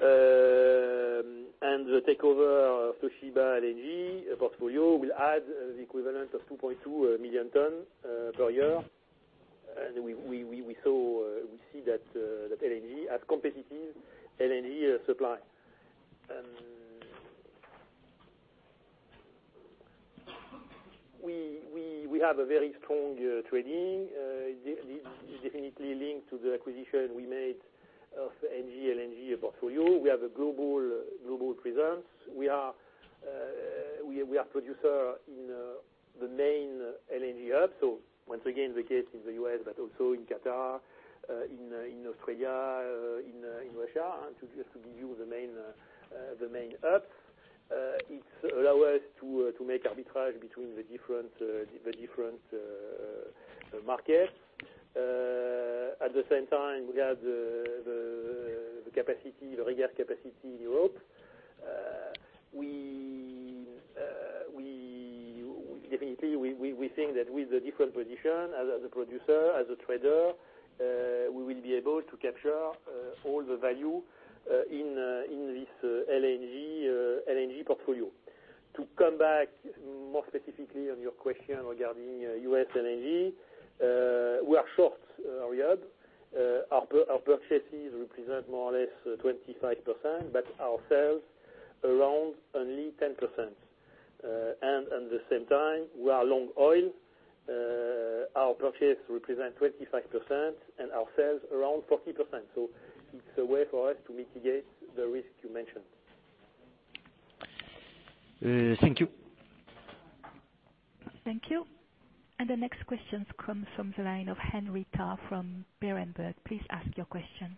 Speaker 2: The takeover of Toshiba LNG portfolio will add the equivalent of 2.2 million ton per year. We see that LNG as competitive LNG supply. We have a very strong trading. This is definitely linked to the acquisition we made of Engie LNG portfolio. We have a global presence. We are a producer in the main LNG hubs. Once again, the case in the U.S., but also in Qatar, in Australia, in Russia. Just to give you the main hubs. It allows us to make arbitrage between the different markets. At the same time, we have the capacity, the regas capacity in Europe. Definitely, we think that with the different position as a producer, as a trader, we will be able to capture all the value in this LNG portfolio. To come back more specifically on your question regarding U.S. LNG, we are short. Our purchases represent more or less 25%, but our sales around only 10%. At the same time, we are long oil. Our purchases represent 25% and our sales around 40%. It's a way for us to mitigate the risk you mentioned. Thank you.
Speaker 1: Thank you. The next question comes from the line of Henry Tarr from Berenberg. Please ask your question.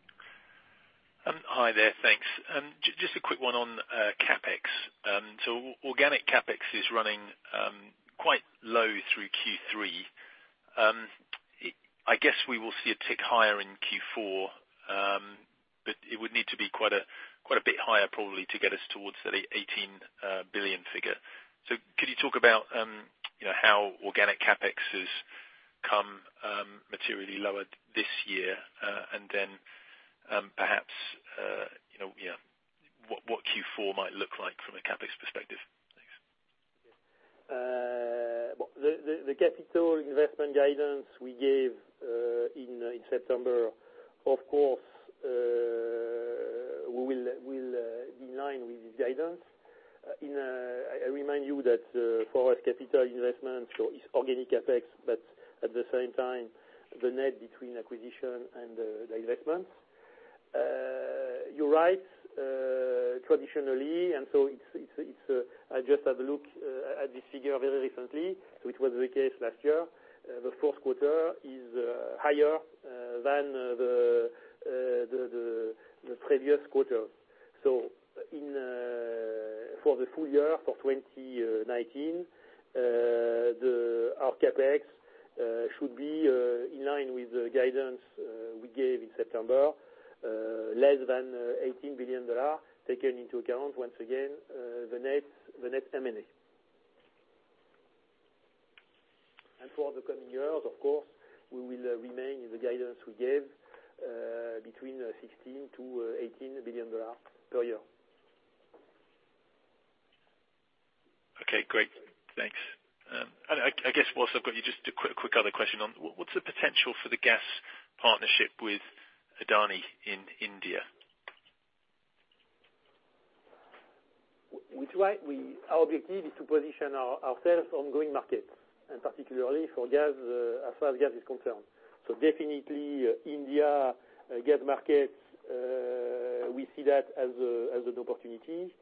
Speaker 13: Hi there. Thanks. Just a quick one on CapEx. Organic CapEx is running quite low through Q3. I guess we will see a tick higher in Q4, but it would need to be quite a bit higher probably to get us towards that 18 billion figure. Could you talk about how organic CapEx has come materially lower this year? Perhaps, what Q4 might look like from a CapEx perspective. Thanks.
Speaker 2: The capital investment guidance we gave in September, of course, will be in line with this guidance. I remind you that for our capital investment, so it's organic CapEx, but at the same time, the net between acquisition and the investments. You're right, traditionally, and so I just had a look at this figure very recently, so it was the case last year. The fourth quarter is higher than the previous quarter. For the full year for 2019, our CapEx should be in line with the guidance we gave in September, less than EUR 18 billion, taking into account, once again, the net M&A. For the coming years, of course, we will remain in the guidance we gave, between EUR 16 billion-EUR 18 billion per year.
Speaker 13: Okay, great. Thanks. I guess whilst I've got you, just a quick other question on, what's the potential for the gas partnership with Adani in India?
Speaker 2: Our objective is to position ourselves on growing markets, and particularly for gas, as far as gas is concerned. Definitely India gas markets, we see that as an opportunity.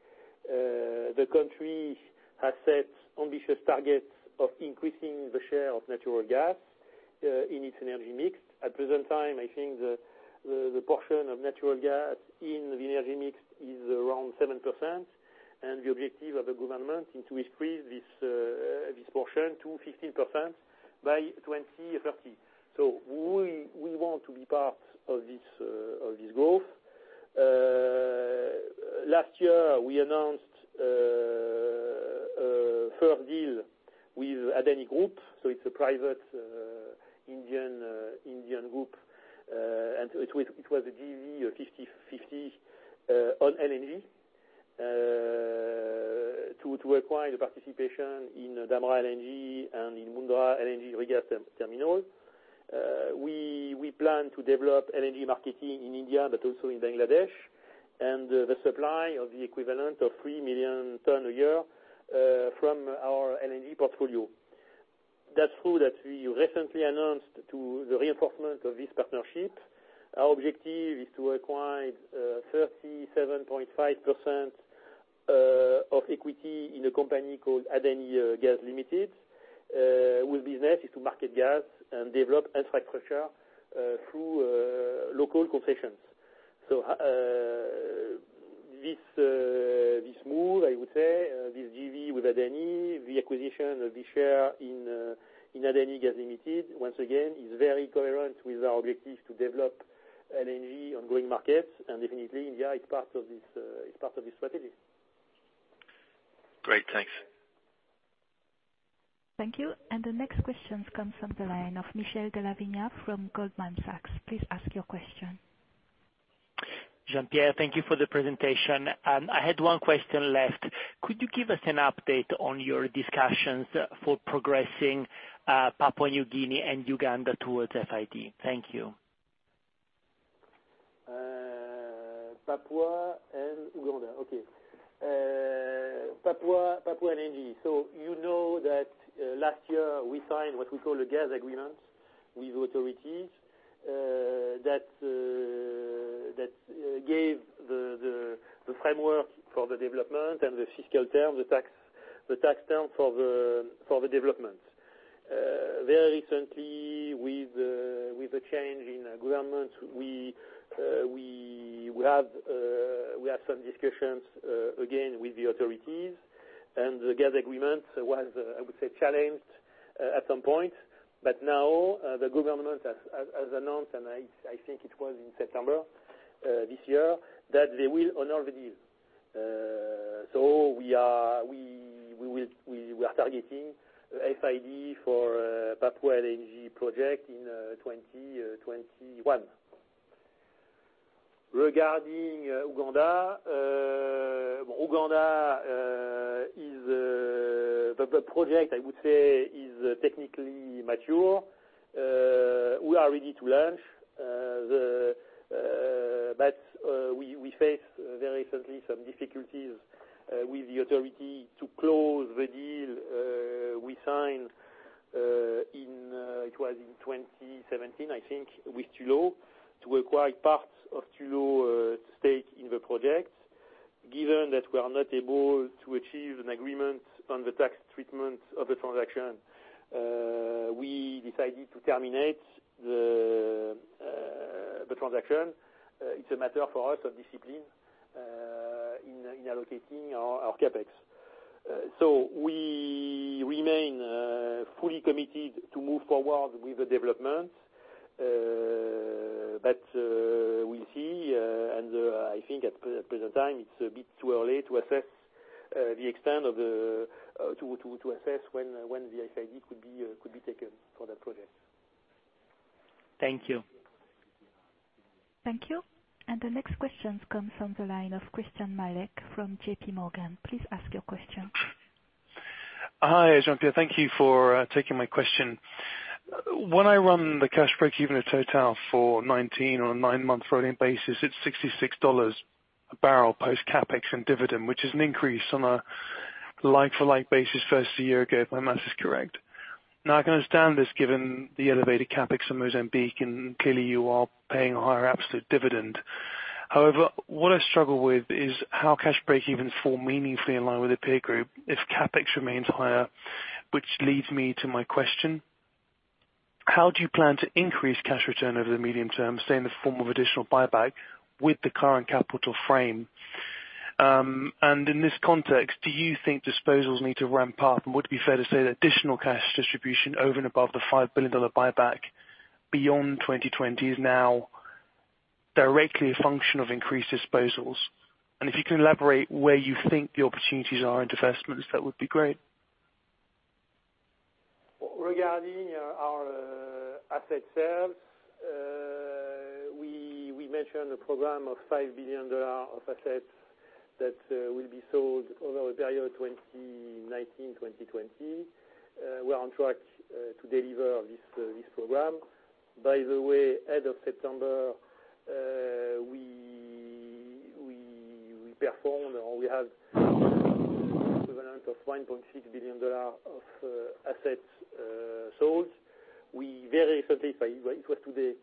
Speaker 2: The country has set ambitious targets of increasing the share of natural gas in its energy mix. At present time, I think the portion of natural gas in the energy mix is around 7%, and the objective of the government is to increase this portion to 15% by 2030. We want to be part of this growth. Last year, we announced a firm deal with Adani Group, so it's a private Indian group. It was a JV of 50/50 on LNG to acquire the participation in Dhamra LNG and in Mundra LNG regas terminals. We plan to develop LNG marketing in India, but also in Bangladesh, and the supply of the equivalent of 3 million tons a year from our LNG portfolio. That's true that we recently announced to the reinforcement of this partnership. Our objective is to acquire 37.5% of equity in a company called Adani Gas Limited. Whose business is to market gas and develop infrastructure through local concessions. This move, I would say, this JV with Adani, the acquisition of the share in Adani Gas Limited, once again, is very coherent with our objective to develop LNG on growing markets, and definitely India is part of this strategy.
Speaker 13: Great, thanks.
Speaker 1: Thank you. The next question comes from the line of Michele Della Vigna from Goldman Sachs. Please ask your question.
Speaker 14: Jean-Pierre, thank you for the presentation. I had one question left. Could you give us an update on your discussions for progressing Papua New Guinea and Uganda towards FID? Thank you.
Speaker 2: Papua and Uganda. Okay. Papua LNG. You know that last year we signed what we call a gas agreement with authorities, that gave the framework for the development and the fiscal term, the tax term for the development. Very recently, with the change in government, we have some discussions again with the authorities, and the gas agreement was, I would say, challenged at some point, but now the government has announced, and I think it was in September this year, that they will honor the deal. We are targeting FID for Papua LNG project in 2021. Regarding Uganda. Uganda, the project, I would say, is technically mature. We are ready to launch. We faced very recently some difficulties with the authority. We signed, it was in 2017, I think, with Tullow, to acquire parts of Tullow's stake in the project. Given that we are not able to achieve an agreement on the tax treatment of the transaction, we decided to terminate the transaction. It's a matter for us of discipline in allocating our CapEx. We remain fully committed to move forward with the development. We'll see, and I think at the present time, it's a bit too early to assess when the FID could be taken for that project.
Speaker 14: Thank you.
Speaker 1: Thank you. The next questions comes from the line of Christyan Malek from JP Morgan. Please ask your question.
Speaker 15: Hi, Jean-Pierre, thank you for taking my question. When I run the cash break-even at Total for 2019 on a nine-month rolling basis, it's $66 a barrel post CapEx and dividend, which is an increase on a like-for-like basis versus a year ago, if my math is correct. Now, I can understand this given the elevated CapEx in Mozambique, and clearly, you are paying a higher absolute dividend. However, what I struggle with is how cash break even fall meaningfully in line with the peer group if CapEx remains higher. Which leads me to my question: How do you plan to increase cash return over the medium term, say, in the form of additional buyback with the current capital frame? In this context, do you think disposals need to ramp up? Would it be fair to say that additional cash distribution over and above the EUR 5 billion buyback beyond 2020 is now directly a function of increased disposals? If you can elaborate where you think the opportunities are in divestments, that would be great.
Speaker 2: Regarding our asset sales, we mentioned a program of EUR 5 billion of assets that will be sold over the period 2019, 2020. We are on track to deliver this program. By the way, as of September, we performed or we have equivalent of EUR 1.6 billion of assets sold. We very recently, it was today,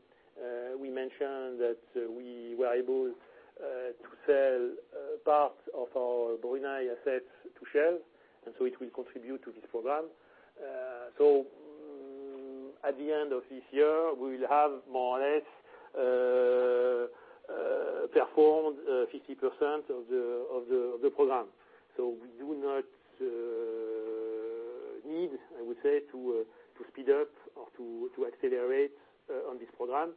Speaker 2: we mentioned that we were able to sell part of our Brunei assets to Shell, it will contribute to this program. At the end of this year, we will have more or less, performed 50% of the program. We do not need, I would say, to speed up or to accelerate on this program.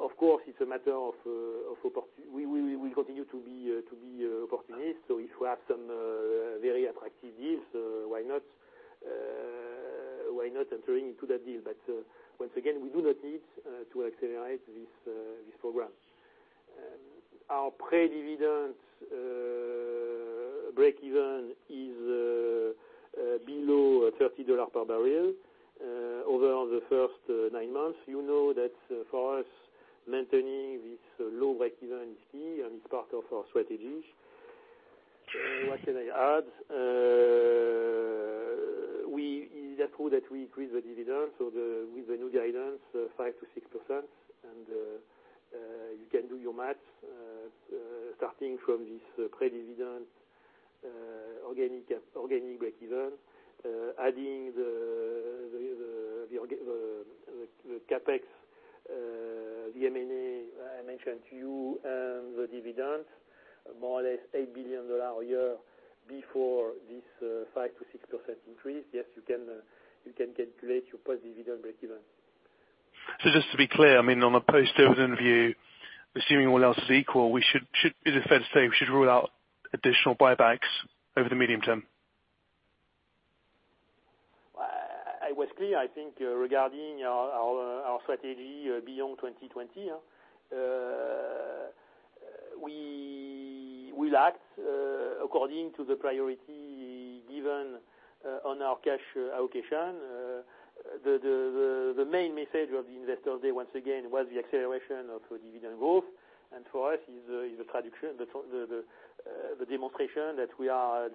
Speaker 2: Of course, it's a matter of opportunity. We continue to be opportunist. If we have some very attractive deals, why not enter into that deal? Once again, we do not need to accelerate this program. Our pre-dividend break-even is below $30 per barrel. Over the first nine months, you know that for us, maintaining this low break-even is key and it's part of our strategy. What can I add? It is true that we increased the dividend, with the new guidance, 5%-6%. You can do your math, starting from this pre-dividend, organic break-even, adding the CapEx, the M&A I mentioned to you, and the dividends, more or less $8 billion a year before this 5%-6% increase. Yes, you can calculate your post-dividend break-even.
Speaker 15: Just to be clear, I mean, on a post-dividend view, assuming all else is equal, should it be fair to say we should rule out additional buybacks over the medium term?
Speaker 2: I was clear, I think, regarding our strategy beyond 2020. We will act according to the priority given on our cash allocation. The main message of the investor day, once again, was the acceleration of dividend growth. For us, is the tradition, the demonstration that we are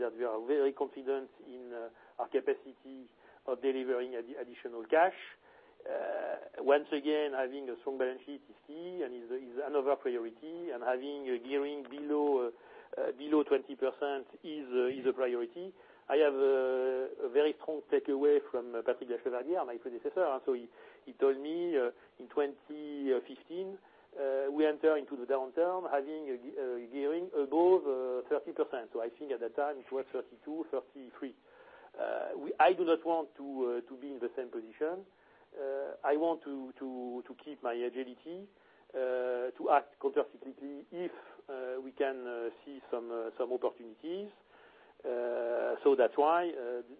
Speaker 2: very confident in our capacity of delivering additional cash. Once again, having a strong balance sheet is key and is another priority, and having a gearing below 20% is a priority. I have a very strong takeaway from Patrick de La Chevardière, my predecessor. He told me in 2015, we enter into the downturn having a gearing above 30%. I think at that time it was 32, 33. I do not want to be in the same position. I want to keep my agility to act countercyclically if we can see some opportunities. That's why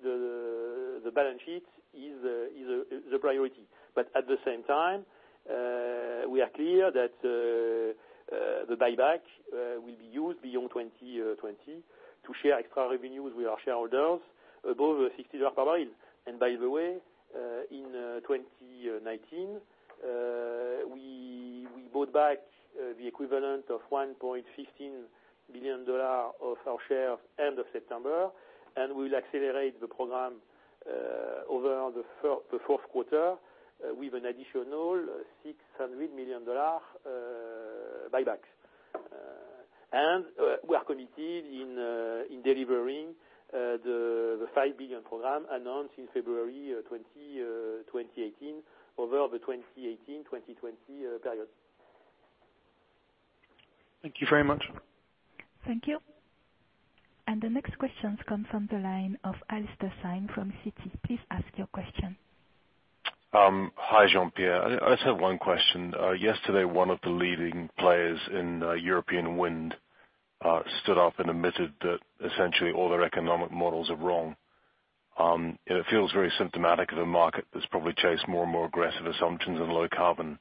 Speaker 2: the balance sheet is the priority. At the same time, we are clear that the buyback will be used beyond 2020 to share extra revenues with our shareholders above $60 per barrel. By the way, in 2019, we bought back the equivalent of $1.15 billion of our shares end of September, and we'll accelerate the program over the fourth quarter with an additional $600 million buybacks. We are committed in delivering the $5 billion program announced in February 2018 over the 2018-2020 period.
Speaker 15: Thank you very much.
Speaker 1: Thank you. The next questions come from the line of Alastair Syme from Citi. Please ask your question.
Speaker 16: Hi, Jean-Pierre. I just have one question. Yesterday, one of the leading players in European wind stood up and admitted that essentially all their economic models are wrong. It feels very symptomatic of a market that's probably chased more and more aggressive assumptions in low carbon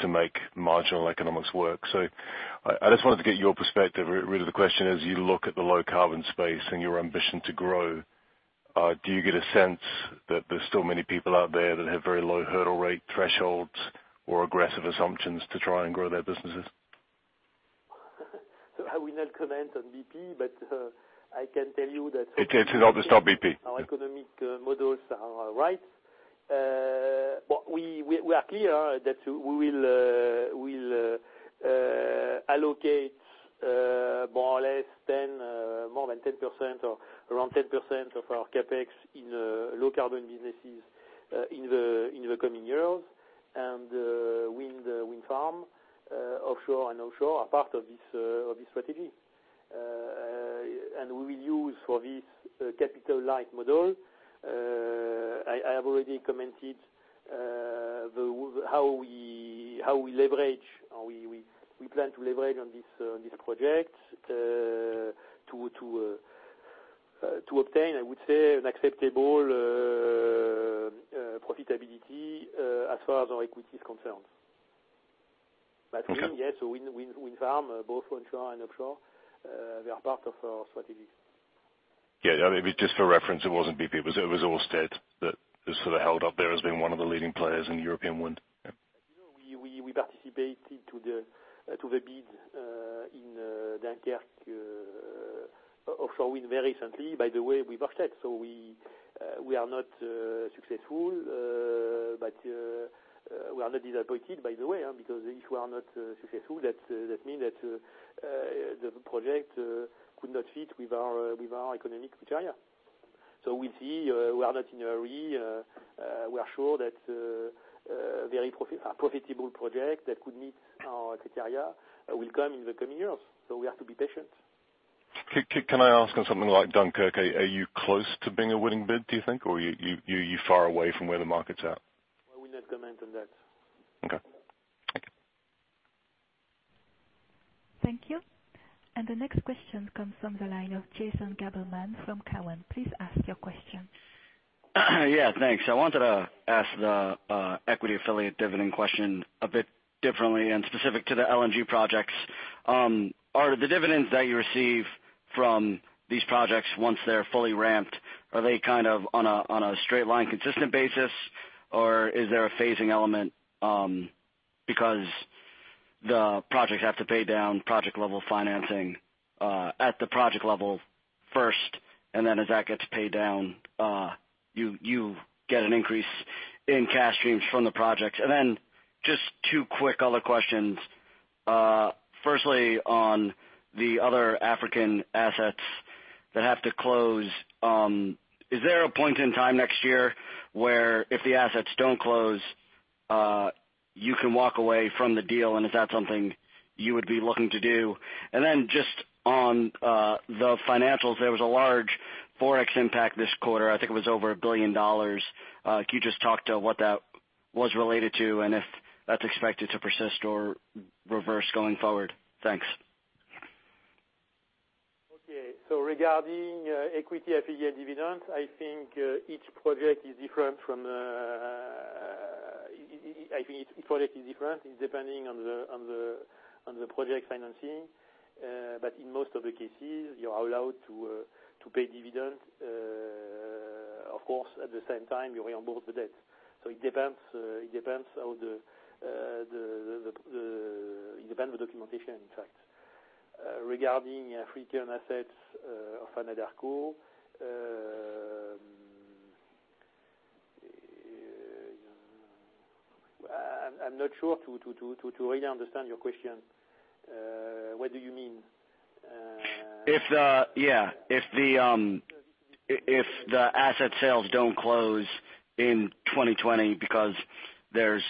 Speaker 16: to make marginal economics work. I just wanted to get your perspective. Really the question is: You look at the low-carbon space and your ambition to grow, do you get a sense that there's still many people out there that have very low hurdle rate thresholds or aggressive assumptions to try and grow their businesses?
Speaker 2: I will not comment on BP, but I can tell you.
Speaker 16: It is not just about BP.
Speaker 2: our economic models are right. We are clear that we'll allocate more or less 10, more than 10% or around 10% of our CapEx in low carbon businesses in the coming years. Wind farm, offshore and onshore, are part of this strategy. We will use for this capital light model. I have already commented how we plan to leverage on this project to obtain, I would say, an acceptable profitability as far as our equity is concerned. Wind, yes. Wind farm, both onshore and offshore, they are part of our strategy.
Speaker 16: Yeah. Just for reference, it wasn't BP. It was Ørsted that is sort of held up there as being one of the leading players in European wind. Yeah.
Speaker 2: We participated to the bid in Dunkirk offshore wind very recently, by the way, with Ørsted. We are not successful, but we are not disappointed by the way, because if we are not successful, that means that the project could not fit with our economic criteria. We see we are not in a hurry. We are sure that a very profitable project that could meet our criteria will come in the coming years, so we have to be patient.
Speaker 16: Can I ask on something like Dunkirk, are you close to being a winning bid, do you think, or are you far away from where the market's at?
Speaker 2: I will not comment on that.
Speaker 16: Okay. Thank you.
Speaker 1: Thank you. The next question comes from the line of Jason Gabelman from Cowen. Please ask your question.
Speaker 17: Yeah, thanks. I wanted to ask the equity affiliate dividend question a bit differently and specific to the LNG projects. Are the dividends that you receive from these projects once they're fully ramped, are they kind of on a straight line consistent basis, or is there a phasing element because the projects have to pay down project level financing at the project level first, and then as that gets paid down, you get an increase in cash streams from the projects? Then just two quick other questions. Firstly, on the other African assets that have to close, is there a point in time next year where if the assets don't close, you can walk away from the deal, and is that something you would be looking to do? Then just on the financials, there was a large Forex impact this quarter. I think it was over EUR 1 billion. Can you just talk to what that was related to and if that's expected to persist or reverse going forward? Thanks.
Speaker 2: Okay. Regarding equity affiliate dividends, I think each project is different depending on the project financing. In most of the cases, you are allowed to pay dividends. Of course, at the same time, you re-onboard the debt. It depends on the documentation, in fact. Regarding African assets of Anadarko, I'm not sure to really understand your question. What do you mean?
Speaker 17: Yeah. If the asset sales don't close in 2020 because there's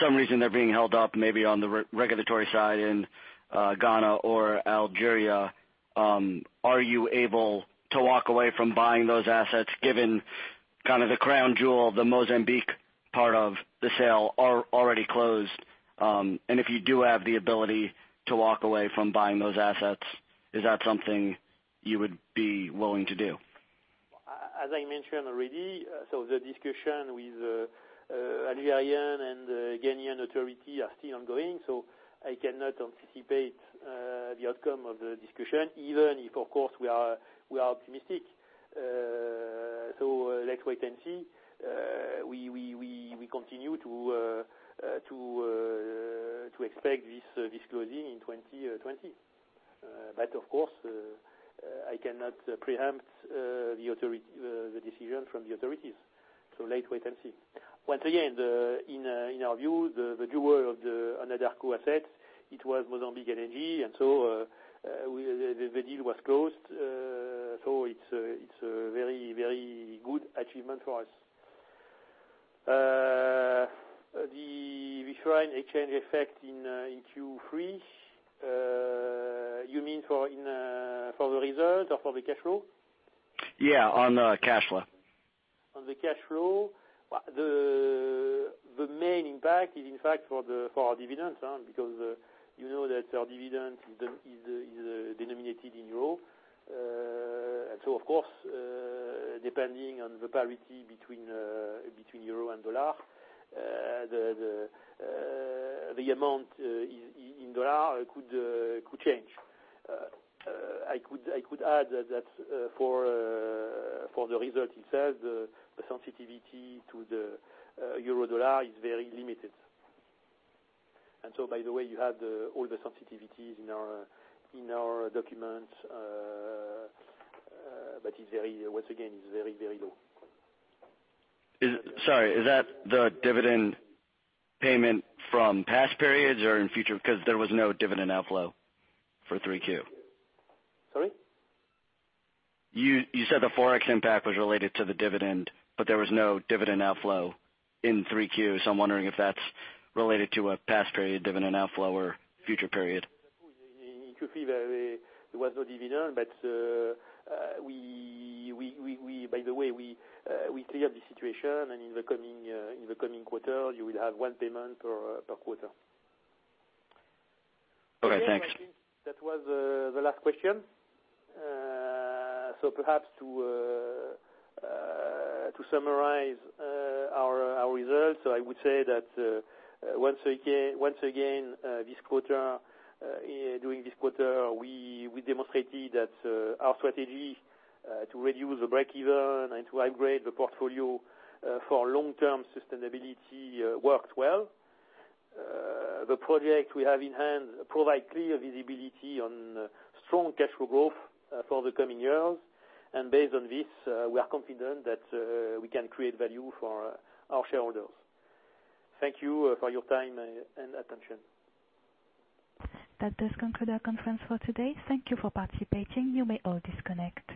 Speaker 17: some reason they're being held up, maybe on the regulatory side in Ghana or Algeria, are you able to walk away from buying those assets given kind of the crown jewel, the Mozambique part of the sale already closed? If you do have the ability to walk away from buying those assets, is that something you would be willing to do?
Speaker 2: As I mentioned already, so the discussion with Algerian and Ghanaian authority are still ongoing, so I cannot anticipate the outcome of the discussion, even if, of course, we are optimistic. Let's wait and see. We continue to expect this closing in 2020. Of course, I cannot preempt the decision from the authorities. Let's wait and see. Once again, in our view, the duo of the Anadarko assets, it was Mozambique LNG, and so the deal was closed. It's a very good achievement for us. The foreign exchange effect in Q3, you mean for the results or for the cash flow?
Speaker 17: Yeah, on cash flow.
Speaker 2: On the cash flow, the main impact is in fact for our dividends, because you know that our dividend is denominated in EUR. Of course, depending on the parity between EUR and USD, the amount in USD could change. I could add that for the results itself, the sensitivity to the EUR-USD is very limited. By the way, you have all the sensitivities in our documents, once again, it's very low.
Speaker 17: Sorry, is that the dividend payment from past periods or in future? There was no dividend outflow for 3Q.
Speaker 2: Sorry?
Speaker 17: You said the Forex impact was related to the dividend, but there was no dividend outflow in 3Q, so I'm wondering if that's related to a past period dividend outflow or future period?
Speaker 2: In Q3, there was no dividend, but by the way, we cleared the situation, and in the coming quarter, you will have one payment per quarter.
Speaker 17: Okay, thanks.
Speaker 2: That was the last question. Perhaps to summarize our results, I would say that once again, during this quarter, we demonstrated that our strategy to reduce the break-even and to upgrade the portfolio for long-term sustainability worked well. The project we have in hand provide clear visibility on strong cash flow growth for the coming years. Based on this, we are confident that we can create value for our shareholders. Thank you for your time and attention.
Speaker 1: That does conclude our conference for today. Thank you for participating. You may all disconnect.